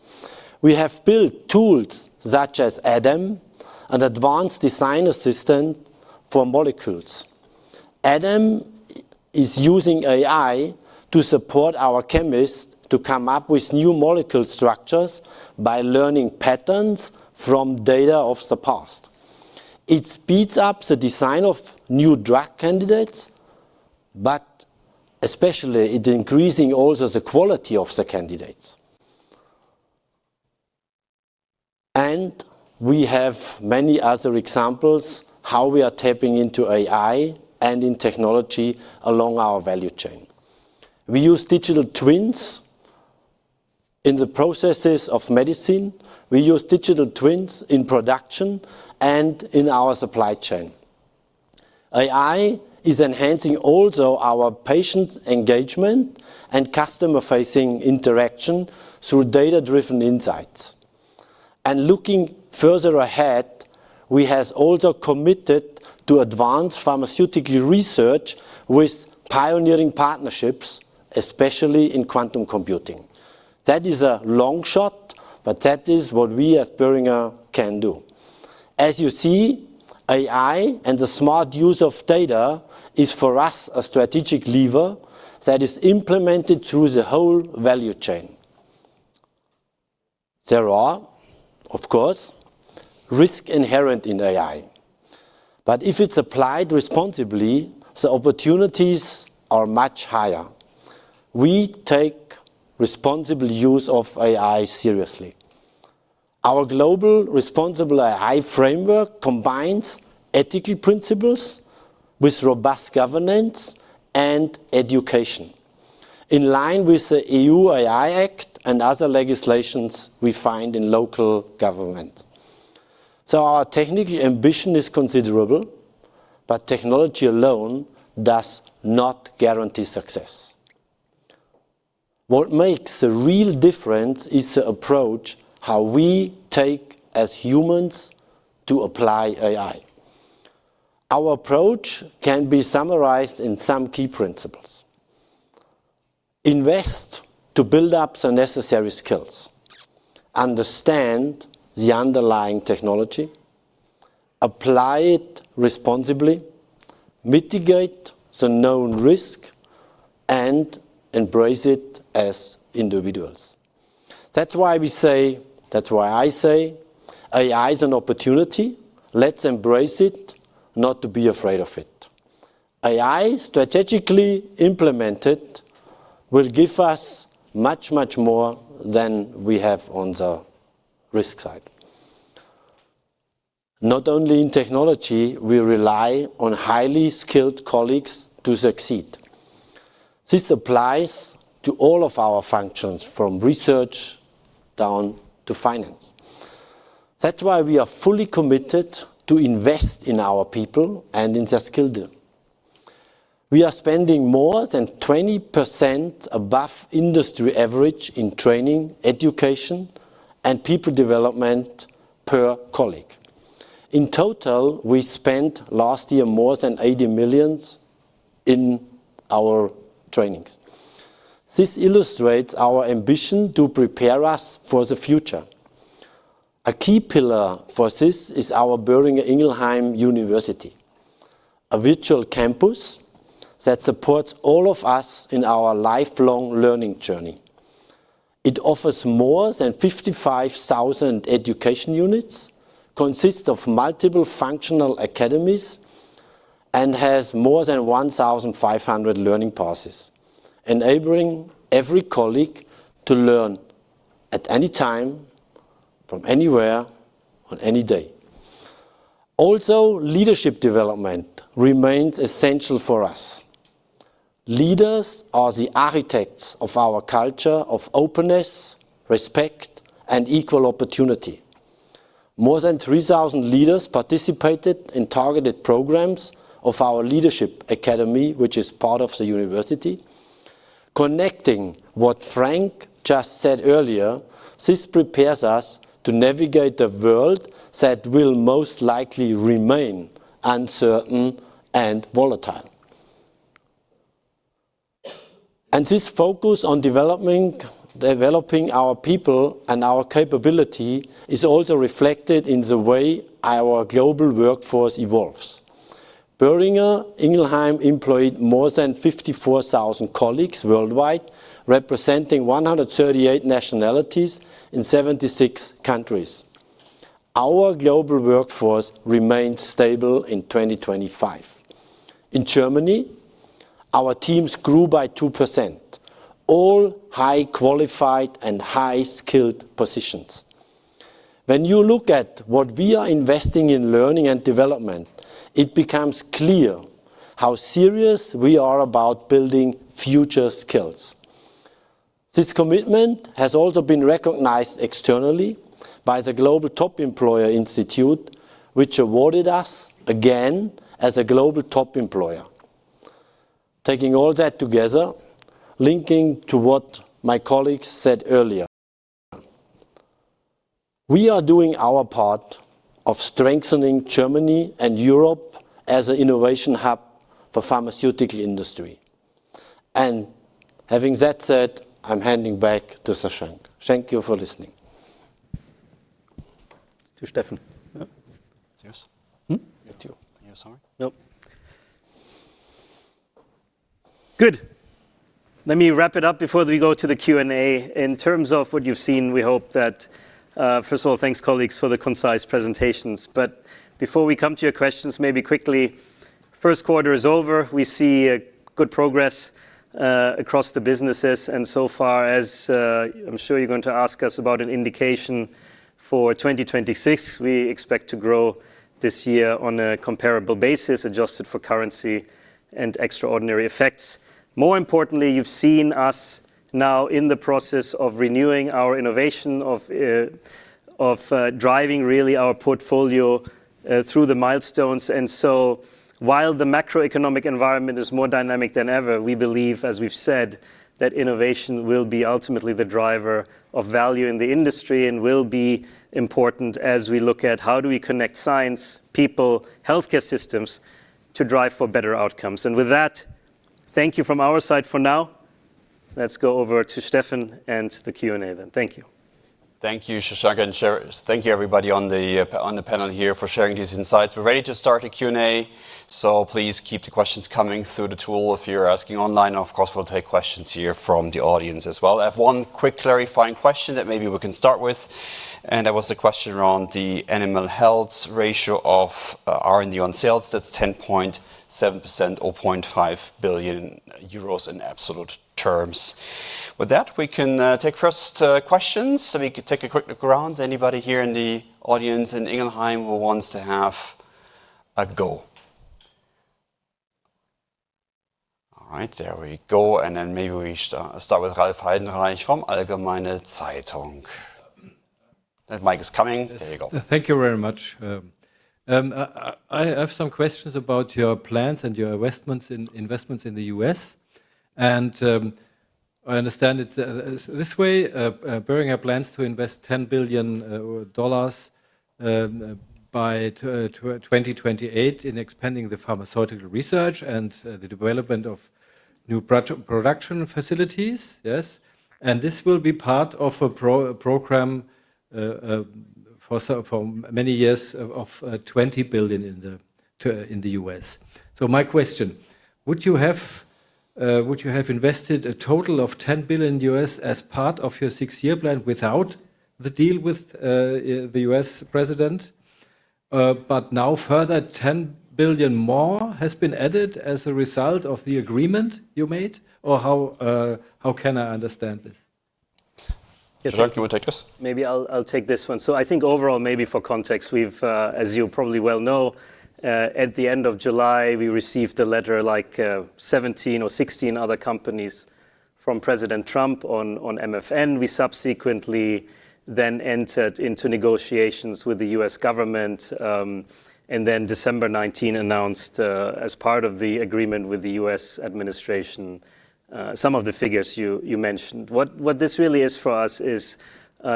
We have built tools such as ADAM, an advanced design assistant for molecules. ADAM is using AI to support our chemists to come up with new molecule structures by learning patterns from data of the past. It speeds up the design of new drug candidates, but especially it increasing also the quality of the candidates. We have many other examples how we are tapping into AI and in technology along our value chain. We use digital twins in the processes of medicine. We use digital twins in production and in our supply chain. AI is enhancing also our patient engagement and customer-facing interaction through data-driven insights. Looking further ahead, we have also committed to advance pharmaceutical research with pioneering partnerships, especially in quantum computing. That is a long shot, but that is what we at Boehringer can do. As you see, AI and the smart use of data is for us a strategic lever that is implemented through the whole value chain. There are, of course, risk inherent in AI. If it's applied responsibly, the opportunities are much higher. We take responsible use of AI seriously. Our global responsible AI framework combines ethical principles with robust governance and education in line with the EU AI Act and other legislations we find in local government. Our technical ambition is considerable, but technology alone does not guarantee success. What makes a real difference is the approach how we take as humans to apply AI. Our approach can be summarized in some key principles: invest to build up the necessary skills, understand the underlying technology, apply it responsibly, mitigate the known risk and embrace it as individuals. That's why we say, that's why I say AI is an opportunity, let's embrace it, not to be afraid of it. AI strategically implemented will give us much, much more than we have on the risk side. Not only in technology we rely on highly skilled colleagues to succeed. This applies to all of our functions, from research down to finance. That's why we are fully committed to invest in our people and in their skill set. We are spending more than 20% above industry average in training, education and people development per colleague. In total, we spent last year more than 80 million in our trainings. This illustrates our ambition to prepare us for the future. A key pillar for this is our Boehringer Ingelheim University, a virtual campus that supports all of us in our lifelong learning journey. It offers more than 55,000 education units, consists of multiple functional academies and has more than 1,500 learning courses, enabling every colleague to learn at any time from anywhere on any day. Also, leadership development remains essential for us. Leaders are the architects of our culture of openness, respect and equal opportunity. More than 3,000 leaders participated in targeted programs of our Leadership Academy, which is part of the university. Connecting what Frank just said earlier, this prepares us to navigate the world that will most likely remain uncertain and volatile. This focus on developing our people and our capability is also reflected in the way our global workforce evolves. Boehringer Ingelheim employed more than 54,000 colleagues worldwide, representing 138 nationalities in 76 countries. Our global workforce remained stable in 2025. In Germany, our teams grew by 2% in all highly qualified and highly skilled positions. When you look at what we are investing in learning and development, it becomes clear how serious we are about building future skills. This commitment has also been recognized externally by the Top Employers Institute, which awarded us again as a global top employer. Taking all that together, linking to what my colleagues said earlier, we are doing our part in strengthening Germany and Europe as an innovation hub for the pharmaceutical industry. Having that said, I'm handing back to Shashank. Thank you for listening. To Stefan. Yeah. Cheers. You too. You want some? Nope. Good. Let me wrap it up before we go to the Q&A. In terms of what you've seen, we hope that. First of all, thanks colleagues, for the concise presentations. Before we come to your questions, maybe quickly, first quarter is over. We see a good progress across the businesses and so far as I'm sure you're going to ask us about an indication for 2026. We expect to grow this year on a comparable basis, adjusted for currency and extraordinary effects. More importantly, you've seen us now in the process of renewing our innovation of driving really our portfolio through the milestones. While the macroeconomic environment is more dynamic than ever, we believe, as we've said, that innovation will be ultimately the driver of value in the industry and will be important as we look at how do we connect science, people, healthcare systems to drive for better outcomes. With that, thank you from our side for now. Let's go over to Stefan and the Q&A then. Thank you. Thank you, Shashank, and thank you everybody on the panel here for sharing these insights. We're ready to start the Q&A, so please keep the questions coming through the tool if you're asking online. Of course, we'll take questions here from the audience as well. I have one quick clarifying question that maybe we can start with, and that was the question around the animal health ratio of R&D on sales. That's 10.7% or 0.5 billion euros in absolute terms. With that, we can take first questions. Let me take a quick look around. Anybody here in the audience in Ingelheim who wants to have a go? All right, there we go. Maybe we start with Ralf Heidenreich from Allgemeine Zeitung. That mic is coming. There you go. Thank you very much. I have some questions about your plans and your investments in the U.S. I understand it this way. Boehringer plans to invest $10 billion by 2028 in expanding the pharmaceutical research and the development of new production facilities. Yes? This will be part of a program for many years of $20 billion in the U.S. My question: would you have invested a total of $10 billion as part of your six-year plan without the deal with the U.S. president, but now further $10 billion more has been added as a result of the agreement you made? Or how can I understand this? Shashank, you will take this? Maybe I'll take this one. I think overall, maybe for context, we've, as you probably well know, at the end of July, we received a letter like 17 or 16 other companies from President Trump on MFN. We subsequently then entered into negotiations with the U.S. government, and then December 2019 announced, as part of the agreement with the U.S. administration, some of the figures you mentioned. What this really is for us is,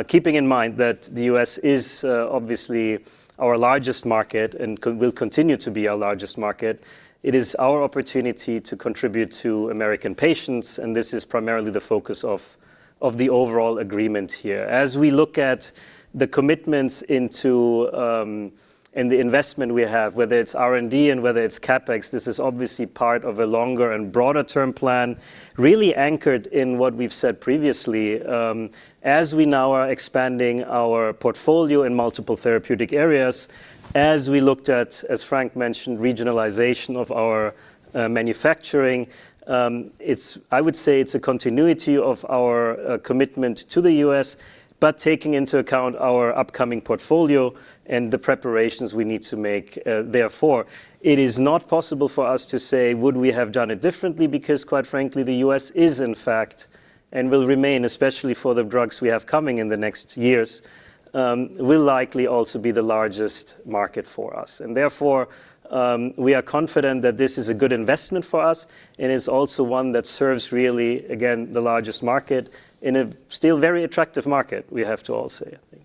keeping in mind that the U.S. is obviously our largest market and will continue to be our largest market, it is our opportunity to contribute to American patients, and this is primarily the focus of the overall agreement here. As we look at the commitments into and the investment we have, whether it's R&D and whether it's CapEx, this is obviously part of a longer and broader term plan, really anchored in what we've said previously. As we now are expanding our portfolio in multiple therapeutic areas, as we looked at, as Frank mentioned, regionalization of our manufacturing, it's a continuity of our commitment to the U.S., but taking into account our upcoming portfolio and the preparations we need to make, therefore. It is not possible for us to say, would we have done it differently? Because quite frankly, the U.S. is in fact and will remain, especially for the drugs we have coming in the next years, will likely also be the largest market for us. Therefore, we are confident that this is a good investment for us and is also one that serves really, again, the largest market in a still very attractive market, we have to all say, I think.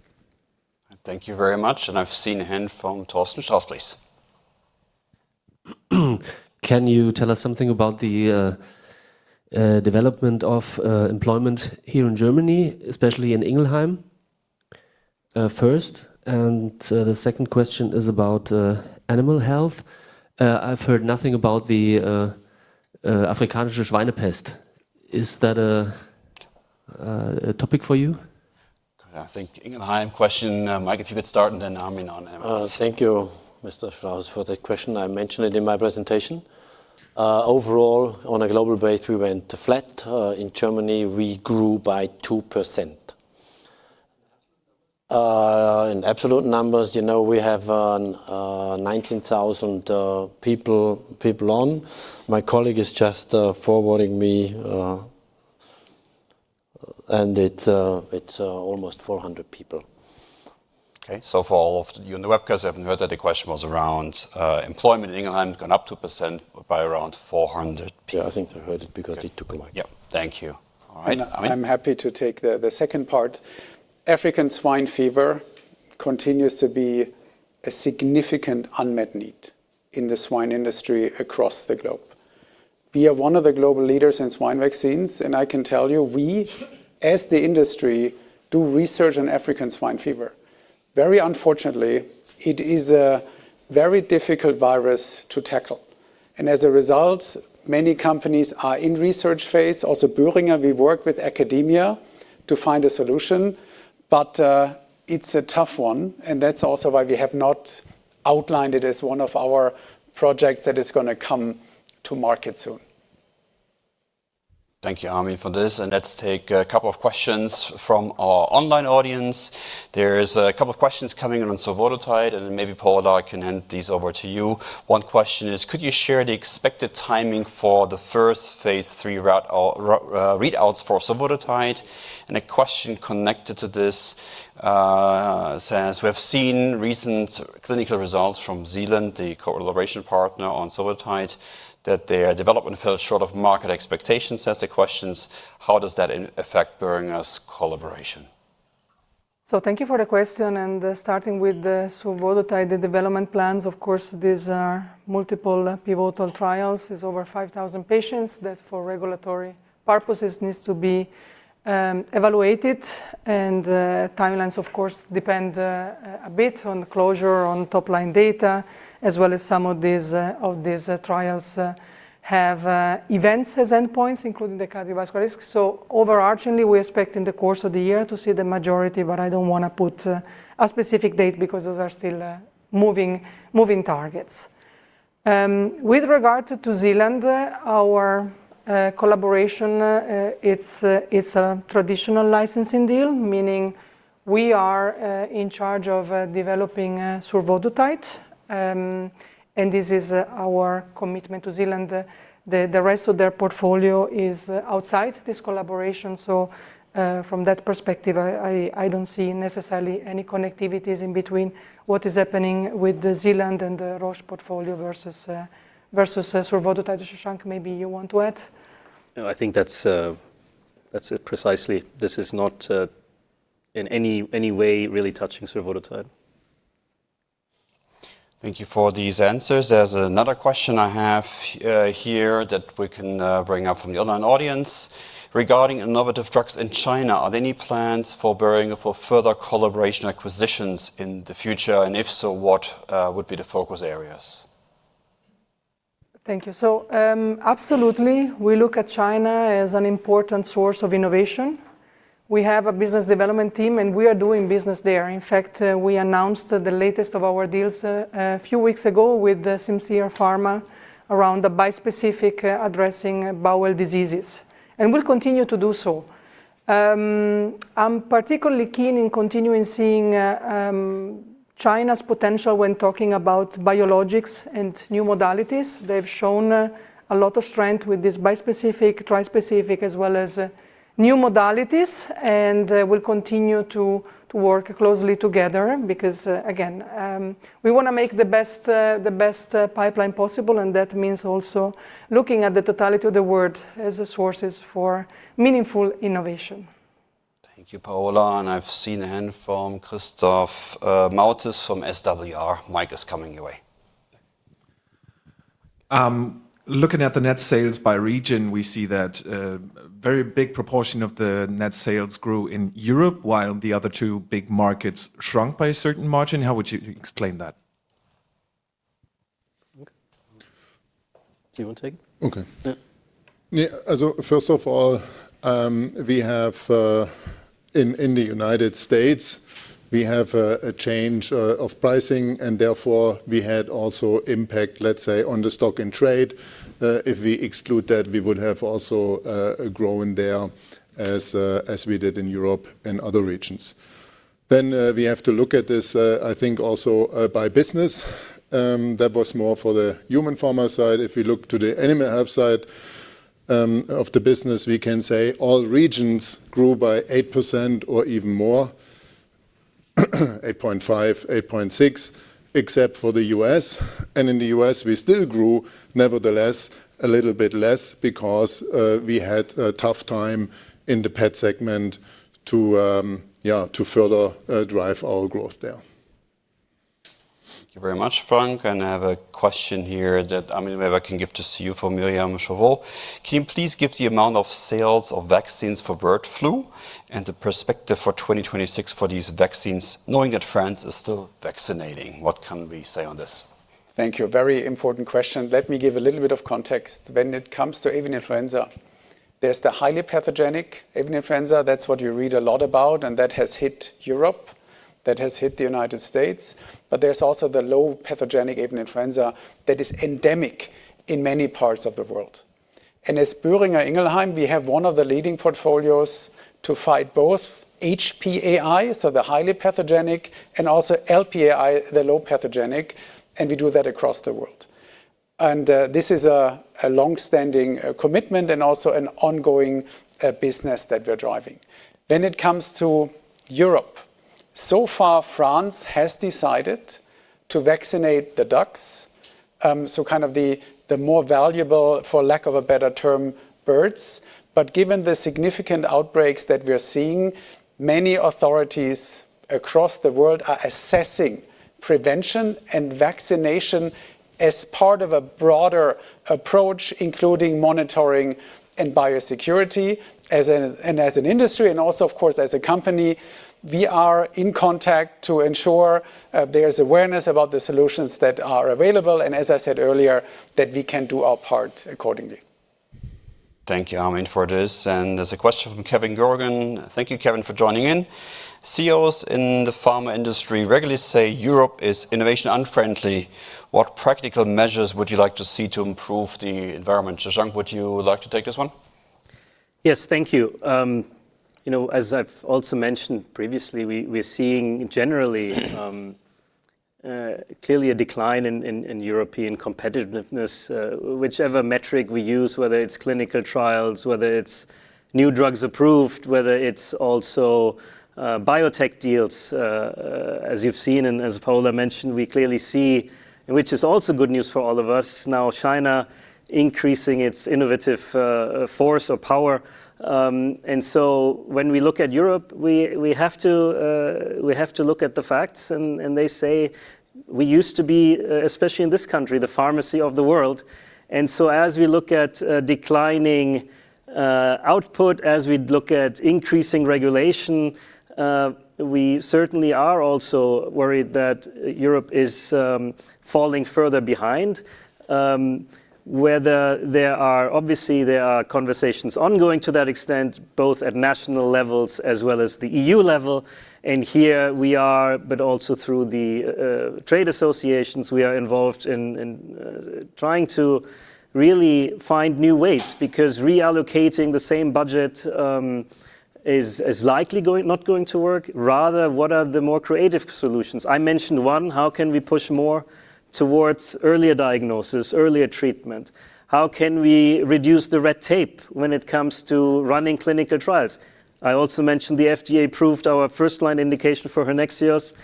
Thank you very much. I've seen a hand from Torsten Strauss, please. Can you tell us something about the development of employment here in Germany, especially in Ingelheim, first? The second question is about animal health. I've heard nothing about the Afrikanische Schweinepest. Is that a topic for you? I think, Ingelheim question, Mike, if you could start and then Armin on animals. Thank you, Mr. Strauss, for the question. I mentioned it in my presentation. Overall, on a global basis, we went flat. In Germany, we grew by 2%. In absolute numbers, you know, we have 19,000 people on. My colleague is just forwarding me, and it's almost 400 people. Okay. For all of you on the webcast, I haven't heard that the question was around employment in Ingelheim going up 2% by around 400 people. Yeah, I think they heard it because it took a mic. Yeah. Thank you. Armin? I'm happy to take the second part. African swine fever continues to be a significant unmet need in the swine industry across the globe. We are one of the global leaders in swine vaccines, and I can tell you, we, as the industry, do research on African swine fever. Very unfortunately, it is a very difficult virus to tackle. As a result, many companies are in research phase. Also, Boehringer, we work with academia to find a solution, but it's a tough one, and that's also why we have not outlined it as one of our projects that is gonna come to market soon. Thank you, Armin, for this. Let's take a couple of questions from our online audience. There is a couple of questions coming in on survodutide, and maybe Paola, I can hand these over to you. One question is, could you share the expected timing for the first phase III readouts for survodutide? A question connected to this says, we have seen recent clinical results from Zealand, the collaboration partner on survodutide, that their development fell short of market expectations. Asks the question, how does that affect Boehringer's collaboration? Thank you for the question and starting with the survodutide, the development plans, of course, these are multiple pivotal trials. There's over 5,000 patients that for regulatory purposes needs to be evaluated. Timelines of course depend a bit on the closure on top line data, as well as some of these trials have events as endpoints, including the cardiovascular risk. Overarchingly, we expect in the course of the year to see the majority, but I don't wanna put a specific date because those are still moving targets. With regard to Zealand, our collaboration, it's a traditional licensing deal, meaning we are in charge of developing survodutide. This is our commitment to Zealand. The rest of their portfolio is outside this collaboration. From that perspective, I don't see necessarily any connectivities in between what is happening with the Zealand and the Roche portfolio versus survodutide. Shashank, maybe you want to add? No, I think that's it precisely. This is not in any way really touching survodutide. Thank you for these answers. There's another question I have here that we can bring up from the online audience regarding innovative drugs in China. Are there any plans for Boehringer for further collaboration acquisitions in the future? And if so, what would be the focus areas? Thank you. Absolutely, we look at China as an important source of innovation. We have a business development team, and we are doing business there. In fact, we announced the latest of our deals a few weeks ago with the Simcere Pharma around the bispecific addressing bowel diseases, and we'll continue to do so. I'm particularly keen on continuing to see China's potential when talking about biologics and new modalities. They've shown a lot of strength with this bispecific, trispecific, as well as new modalities, and we'll continue to work closely together because, again, we wanna make the best pipeline possible, and that means also looking at the totality of the world as resources for meaningful innovation. Thank you, Paola. I've seen a hand from Christoph Moritz from SWR. Mic is coming your way. Thank you. Looking at the net sales by region, we see that a very big proportion of the net sales grew in Europe while the other two big markets shrunk by a certain margin. How would you explain that? Okay. Do you wanna take it? Okay. First of all, we have in the United States a change of pricing and therefore we had also impact, let's say, on the stock and trade. If we exclude that, we would have also grown there as we did in Europe and other regions. We have to look at this, I think also, by business, that was more for the Human Pharma side. If we look to the Animal Health side of the business, we can say all regions grew by 8% or even more, 8.5%, 8.6%, except for the U.S. In the U.S., we still grew nevertheless a little bit less because we had a tough time in the pet segment to further drive our growth there. Thank you very much, Frank. I have a question here that, I mean, maybe I can give to you for Myriam Chauvot. Can you please give the amount of sales of vaccines for bird flu and the perspective for 2026 for these vaccines, knowing that France is still vaccinating? What can we say on this? Thank you. Very important question. Let me give a little bit of context. When it comes to avian influenza, there's the highly pathogenic avian influenza, that's what you read a lot about, and that has hit Europe, that has hit the United States. There's also the low pathogenic avian influenza that is endemic in many parts of the world. As Boehringer Ingelheim, we have one of the leading portfolios to fight both HPAI, so the highly pathogenic, and also LPAI, the low pathogenic, and we do that across the world. This is a long-standing commitment and also an ongoing business that we're driving. When it comes to Europe, so far France has decided to vaccinate the ducks, so kind of the more valuable, for lack of a better term, birds. Given the significant outbreaks that we're seeing, many authorities across the world are assessing prevention and vaccination as part of a broader approach, including monitoring and biosecurity. As an industry and also, of course, as a company, we are in contact to ensure there's awareness about the solutions that are available and, as I said earlier, that we can do our part accordingly. Thank you, Armin, for this. There's a question from Kevin Gorgen. Thank you, Kevin, for joining in. CEOs in the pharma industry regularly say Europe is innovation unfriendly. What practical measures would you like to see to improve the environment? Shashank, would you like to take this one? Yes. Thank you. You know, as I've also mentioned previously, we're seeing generally clearly a decline in European competitiveness, whichever metric we use, whether it's clinical trials, whether it's new drugs approved, whether it's also biotech deals. As you've seen and as Paola mentioned, we clearly see, which is also good news for all of us, now China increasing its innovative force or power. When we look at Europe, we have to look at the facts and they say we used to be, especially in this country, the pharmacy of the world. As we look at declining output, as we look at increasing regulation, we certainly are also worried that Europe is falling further behind. Whether there are conversations ongoing to that extent, both at national levels as well as the EU level. Here we are, but also through the trade associations, we are involved in trying to really find new ways because reallocating the same budget is likely not going to work. Rather, what are the more creative solutions? I mentioned one, how can we push more towards earlier diagnosis, earlier treatment? How can we reduce the red tape when it comes to running clinical trials? I also mentioned the FDA approved our first-line indication for HERNEXEOS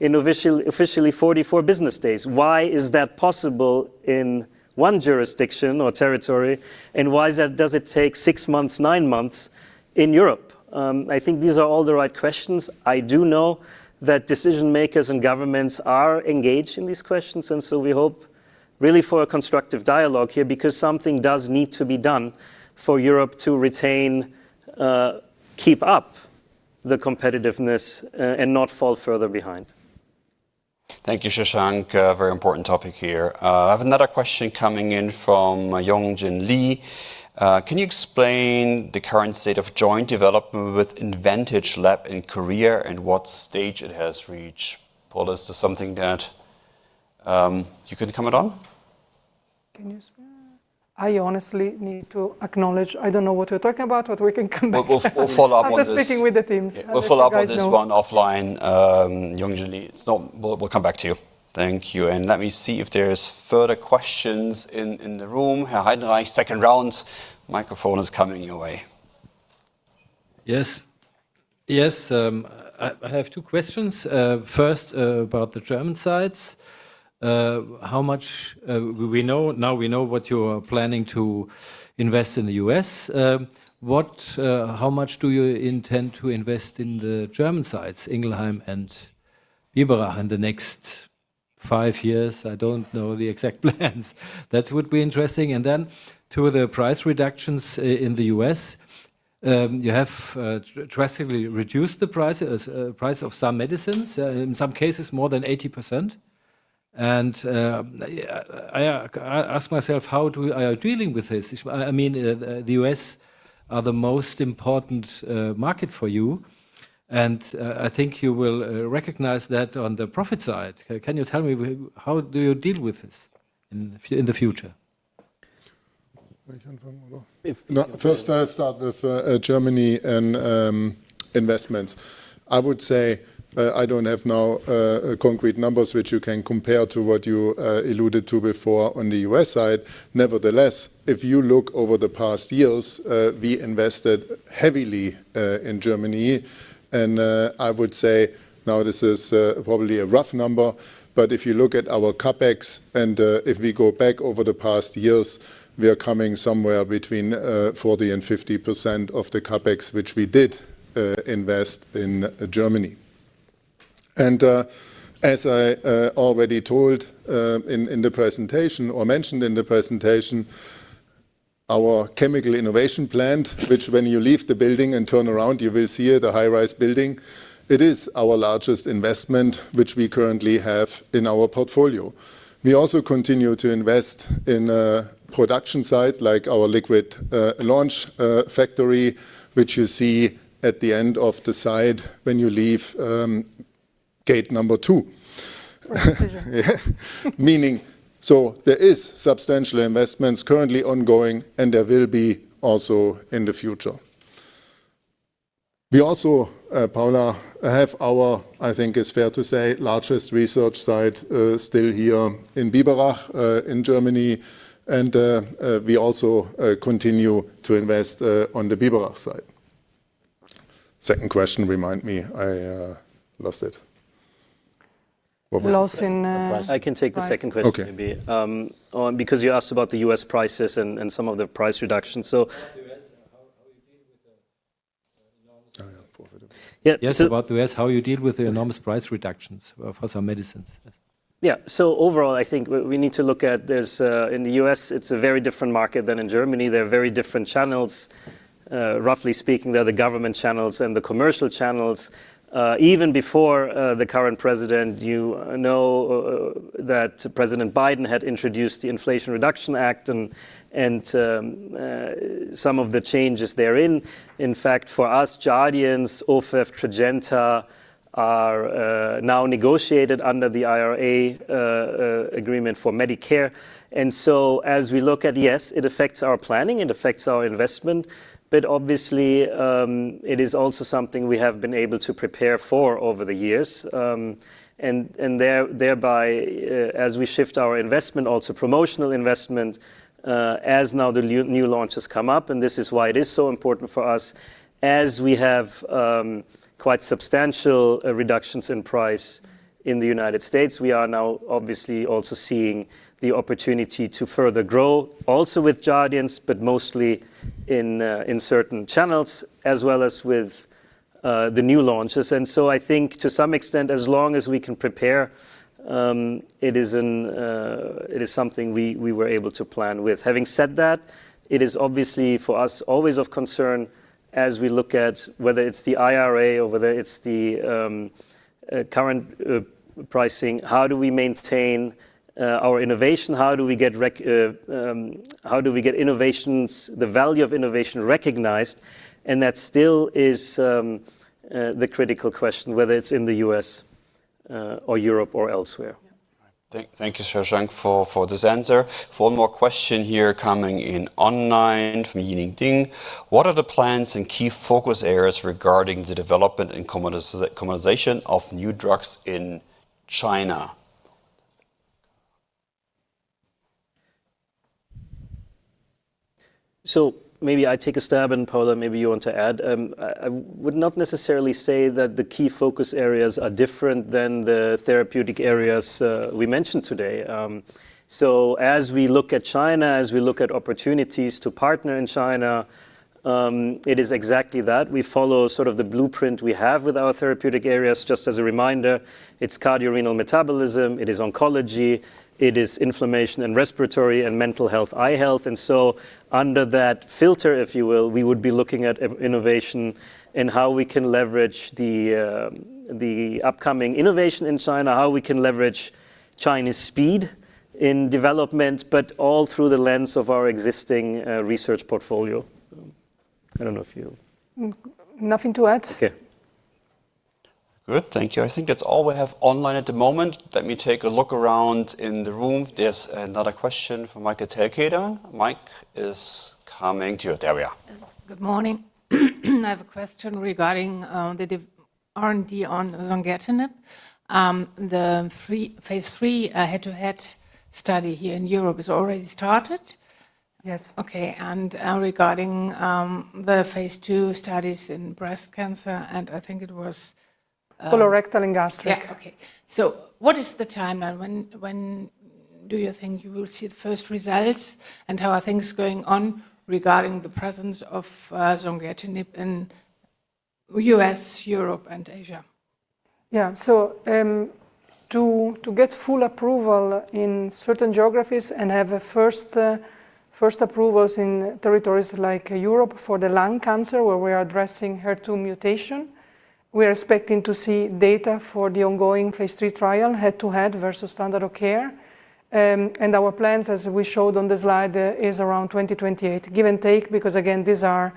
in officially 44 business days. Why is that possible in one jurisdiction or territory, and why does it take six months, nine months in Europe? I think these are all the right questions. I do know that decision-makers and governments are engaged in these questions, and so we hope really for a constructive dialogue here, because something does need to be done for Europe to keep up the competitiveness, and not fall further behind. Thank you, Shashank. A very important topic here. I have another question coming in from Yong Jin Lee. Can you explain the current state of joint development with Inventage Lab in Korea, and what stage it has reached? Paola, is this something that you can comment on? Can you explain? I honestly need to acknowledge I don't know what you're talking about, but we can come back. We'll follow up on this. After speaking with the teams, as you guys know. We'll follow up on this one offline, Yong Jin Lee. We'll come back to you. Thank you, and let me see if there is further questions in the room. Hey, Heidenreich, second round. Microphone is coming your way. Yes. Yes, I have two questions. First about the German sites. We know what you are planning to invest in the U.S. How much do you intend to invest in the German sites, Ingelheim and Biberach, in the next five years? I don't know the exact plans. That would be interesting. Then to the price reductions in the U.S. You have drastically reduced the price of some medicines in some cases more than 80%. I ask myself, are you dealing with this? I mean, the U.S. is the most important market for you, and I think you will recognize that on the profit side. Can you tell me, how do you deal with this in the future? First, I'll start with Germany and investments. I would say I don't have now concrete numbers which you can compare to what you alluded to before on the U.S. side. Nevertheless, if you look over the past years, we invested heavily in Germany. I would say, now this is probably a rough number, but if you look at our CapEx and if we go back over the past years, we are coming somewhere between 40%-50% of the CapEx, which we did invest in Germany. As I already told in the presentation or mentioned in the presentation, our Chemical Innovation Plant, which when you leave the building and turn around, you will see it, the high-rise building. It is our largest investment which we currently have in our portfolio. We also continue to invest in production site like our liquid launch factory, which you see at the end of the site when you leave gate number two. Meaning, so there is substantial investments currently ongoing, and there will be also in the future. We also, Paola, have our, I think it's fair to say, largest research site still here in Biberach in Germany. We also continue to invest on the Biberach site. Second question, remind me. I lost it. What was the second question? Lost in-- I can take the second question, maybe. Because you asked about the U.S. prices and some of the price reductions-- About the U.S., how you deal with the enormous-- Oh, yeah. Profit. Yes. About the U.S., how you deal with the enormous price reductions for some medicines? Yeah. Overall, I think we need to look at. There's in the U.S., it's a very different market than in Germany. There are very different channels. Roughly speaking, they're the government channels and the commercial channels. Even before the current president, you know that President Biden had introduced the Inflation Reduction Act and some of the changes therein. In fact, for us, Jardiance, Ofev, Tradjenta are now negotiated under the IRA agreement for Medicare. As we look at, yes, it affects our planning, it affects our investment, but obviously, it is also something we have been able to prepare for over the years. And thereby, as we shift our investment, also promotional investment, as now the new launches come up, and this is why it is so important for us. As we have quite substantial reductions in price in the United States, we are now obviously also seeing the opportunity to further grow also with Jardiance, but mostly in certain channels, as well as with the new launches. I think to some extent, as long as we can prepare, it is something we were able to plan with. Having said that, it is obviously for us always of concern as we look at whether it's the IRA or whether it's the current pricing, how do we maintain our innovation? How do we get innovations, the value of innovation recognized? That still is the critical question, whether it's in the U.S. or Europe or elsewhere. Thank you, Shashank, for this answer. One more question here coming in online from Yi-Ning Ding. What are the plans and key focus areas regarding the development and commercialization of new drugs in China? Maybe I take a stab and, Paola, maybe you want to add. I would not necessarily say that the key focus areas are different than the therapeutic areas we mentioned today. As we look at China, as we look at opportunities to partner in China, it is exactly that. We follow sort of the blueprint we have with our therapeutic areas. Just as a reminder, it's cardiorenal metabolism, it is oncology, it is inflammation and respiratory and mental health, eye health. Under that filter, if you will, we would be looking at innovation and how we can leverage the upcoming innovation in China, how we can leverage China's speed. In development, but all through the lens of our existing, research portfolio. I don't know if you? Nothing to add. Okay. Good. Thank you. I think that's all we have online at the moment. Let me take a look around in the room. There's another question from Michael Terkader. Mic is coming to you. There we are. Good morning. I have a question regarding the R&D on zongertinib. The phase III head-to-head study here in Europe is already started? Yes. Okay. Regarding the phase II studies in breast cancer, and I think it was Colorectal and gastric. Yeah. Okay. What is the timeline? When do you think you will see the first results, and how are things going on regarding the presence of zongertinib in U.S., Europe and Asia? Yeah. To get full approval in certain geographies and have a first approvals in territories like Europe for the lung cancer, where we are addressing HER2 mutation, we're expecting to see data for the ongoing phase III trial head-to-head versus standard of care. Our plans, as we showed on the slide, is around 2028, give and take, because again, these are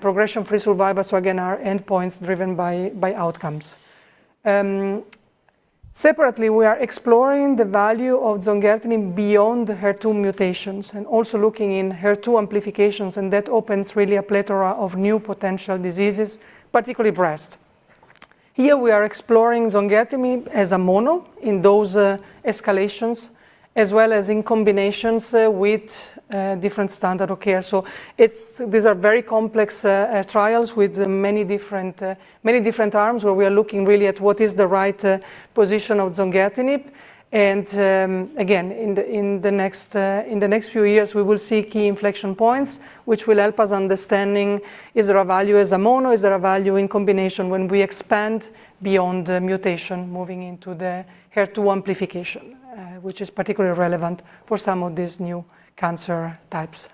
progression-free survival, so again, are endpoints driven by outcomes. Separately, we are exploring the value of zongertinib beyond HER2 mutations and also looking in HER2 amplifications, and that opens really a plethora of new potential diseases, particularly breast. Here we are exploring zongertinib as a mono in those escalations as well as in combinations with different standard of care. These are very complex trials with many different arms where we are looking really at what is the right position of zongertinib. Again, in the next few years, we will see key inflection points which will help us understanding is there a value as a mono, is there a value in combination when we expand beyond the mutation moving into the HER2 amplification, which is particularly relevant for some of these new cancer types.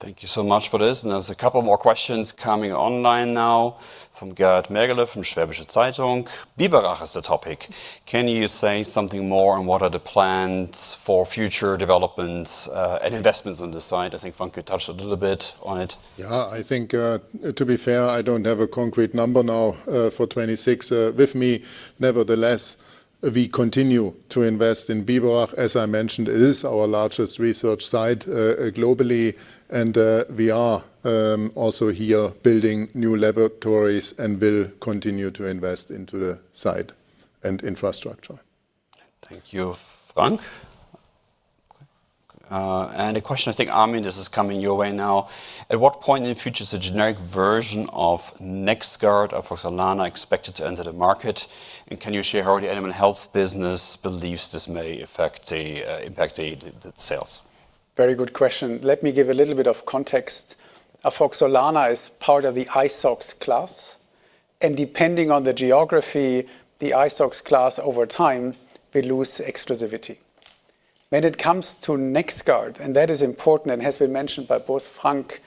Thank you so much for this. There's a couple more questions coming online now from Gert Mengele from Schwäbische Zeitung. Biberach is the topic. Can you say something more on what are the plans for future developments, and investments on this site? I think Frank could touch a little bit on it. Yeah, I think, to be fair, I don't have a concrete number now for 2026 with me. Nevertheless, we continue to invest in Biberach. As I mentioned, it is our largest research site globally, and we are also here building new laboratories and will continue to invest into the site and infrastructure. Thank you, Frank. A question I think, Armin, this is coming your way now. At what point in the future is a generic version of NexGard or afoxolaner expected to enter the market? Can you share how the Animal Health business believes this may impact the sales? Very good question. Let me give a little bit of context. afoxolaner is part of the isoxazoline class, and depending on the geography, the isoxazoline class over time will lose exclusivity. When it comes to NexGard, that is important and has been mentioned by both Frank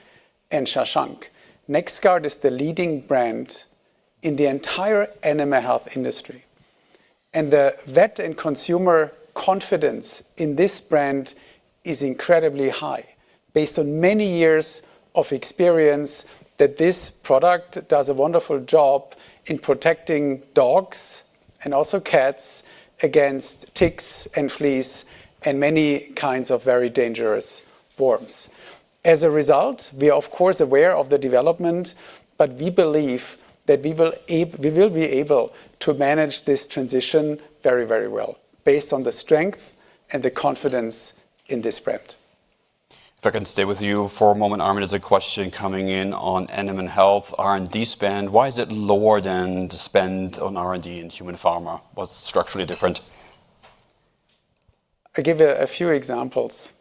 and Shashank. NexGard is the leading brand in the entire animal health industry. The vet and consumer confidence in this brand is incredibly high based on many years of experience that this product does a wonderful job in protecting dogs and also cats against ticks and fleas and many kinds of very dangerous worms. As a result, we are of course aware of the development, but we believe that we will be able to manage this transition very, very well based on the strength and the confidence in this brand. If I can stay with you for a moment, Armin, there's a question coming in on Animal Health R&D spend. Why is it lower than the spend on R&D in Human Pharma? What's structurally different? I'll give a few examples.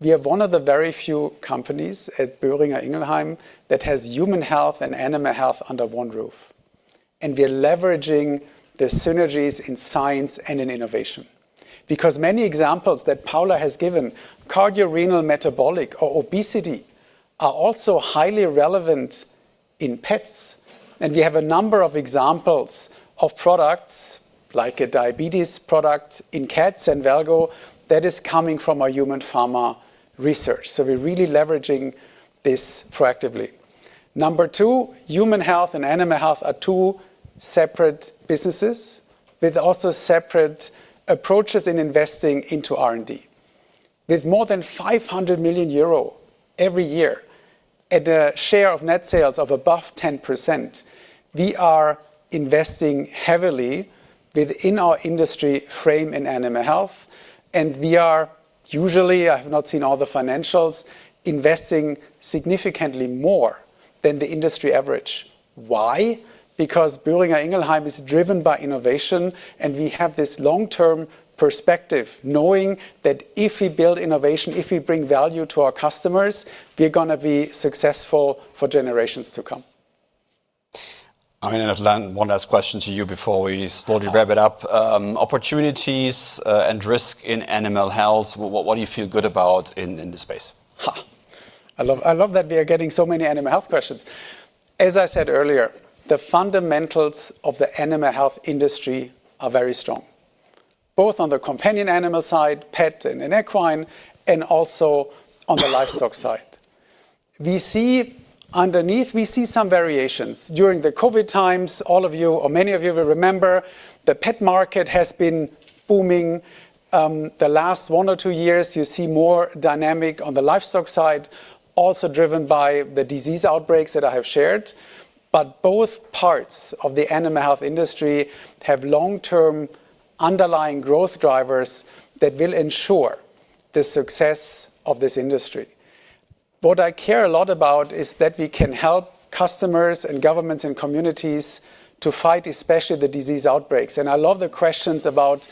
We are one of the very few companies at Boehringer Ingelheim that has human health and animal health under one roof, and we are leveraging the synergies in science and in innovation. Because many examples that Paula has given, cardiorenal metabolic or obesity are also highly relevant in pets, and we have a number of examples of products like a diabetes product in cats and Senvelgo that is coming from our human pharma research. We're really leveraging this proactively. Number two, human health and animal health are two separate businesses with also separate approaches in investing into R&D. With more than 500 million euro every year at a share of net sales of above 10%, we are investing heavily within our industry framework in Animal Health, and we are usually, I have not seen all the financials, investing significantly more than the industry average. Why? Because Boehringer Ingelheim is driven by innovation, and we have this long-term perspective knowing that if we build innovation, if we bring value to our customers, we're gonna be successful for generations to come. Armin, I've one last question to you before we slowly wrap it up. Opportunities and risk in Animal Health, what do you feel good about in this space? I love that we are getting so many Animal Health questions. As I said earlier, the fundamentals of the Animal Health industry are very strong, both on the companion animal side, pet and in equine, and also on the livestock side. We see some variations underneath. During the COVID times, all of you or many of you will remember the pet market has been booming. The last one or two years you see more dynamic on the livestock side, also driven by the disease outbreaks that I have shared. Both parts of the Animal Health industry have long-term underlying growth drivers that will ensure the success of this industry. What I care a lot about is that we can help customers and governments and communities to fight especially the disease outbreaks. I love the questions about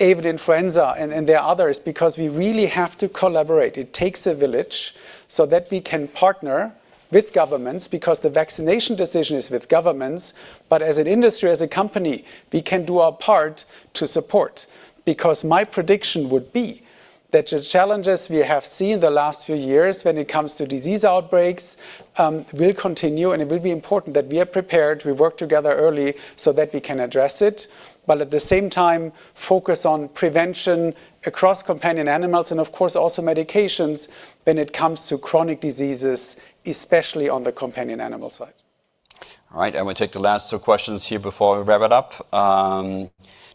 avian influenza and there are others, because we really have to collaborate. It takes a village so that we can partner with governments because the vaccination decision is with governments, but as an industry, as a company, we can do our part to support. Because my prediction would be that the challenges we have seen the last few years when it comes to disease outbreaks will continue, and it will be important that we are prepared, we work together early so that we can address it, but at the same time focus on prevention across companion animals and of course also medications when it comes to chronic diseases, especially on the companion animal side. All right. I will take the last two questions here before we wrap it up.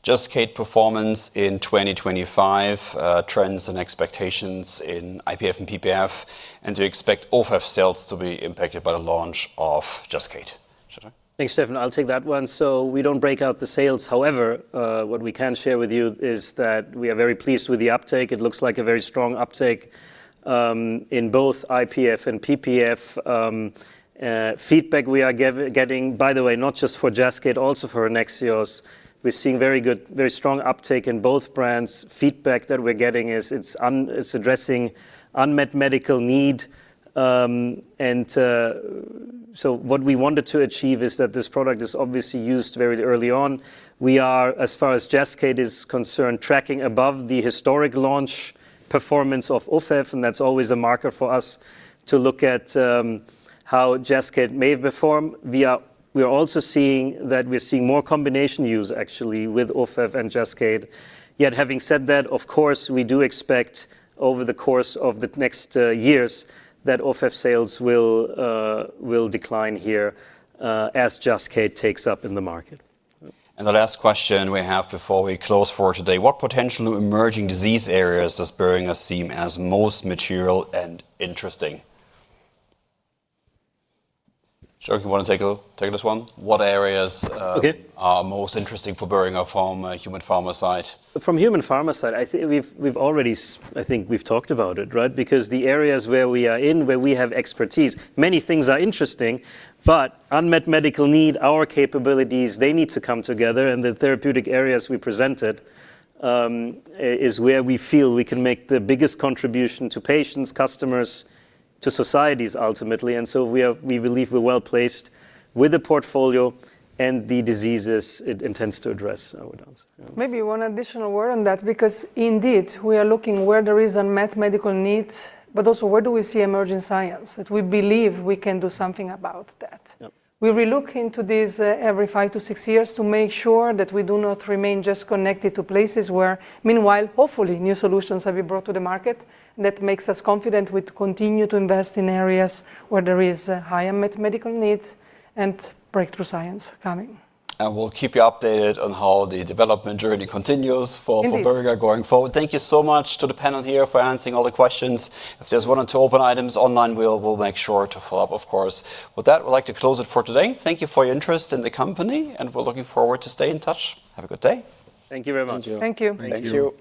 JASCAYD performance in 2025, trends and expectations in IPF and PPF, and do you expect Ofev sales to be impacted by the launch of JASCAYD? Shashank? Thanks, Stefan. I'll take that one. We don't break out the sales. However, what we can share with you is that we are very pleased with the uptake. It looks like a very strong uptake in both IPF and PPF. Feedback we are getting. By the way, not just for JASCAYD, also for HERNEXEOS. We're seeing very good, very strong uptake in both brands. Feedback that we're getting is, it's addressing unmet medical need, and what we wanted to achieve is that this product is obviously used very early on. We are, as far as JASCAYD is concerned, tracking above the historic launch performance of Ofev, and that's always a marker for us to look at, how JASCAYD may perform. We are also seeing more combination use actually with Ofev and JASCAYD. Yet having said that, of course, we do expect over the course of the next years that Ofev sales will decline here, as JASCAYD takes up in the market. The last question we have before we close for today: What potential emerging disease areas does Boehringer see as most material and interesting? Shashank Deshpande, you wanna take this one? What areas are most interesting for Boehringer from a Human Pharma side? From Human Pharma side, I think we've already talked about it, right? Because the areas where we are in, where we have expertise, many things are interesting, but unmet medical need, our capabilities, they need to come together, and the therapeutic areas we presented is where we feel we can make the biggest contribution to patients, customers, to societies ultimately. We believe we're well-placed with the portfolio and the diseases it intends to address, I would answer. Maybe one additional word on that, because indeed, we are looking where there is unmet medical needs, but also where do we see emerging science that we believe we can do something about that. We re-look into this every five-six years to make sure that we do not remain just connected to places where meanwhile, hopefully, new solutions have been brought to the market that makes us confident we continue to invest in areas where there is a high unmet medical need and breakthrough science coming. We'll keep you updated on how the development journey continues for Indeed For Boehringer going forward. Thank you so much to the panel here for answering all the questions. If there's one or two open items online, we'll make sure to follow up of course. With that, we'd like to close it for today. Thank you for your interest in the company, and we're looking forward to staying in touch. Have a good day. Thank you very much. Thank you. Thank you. Thank you.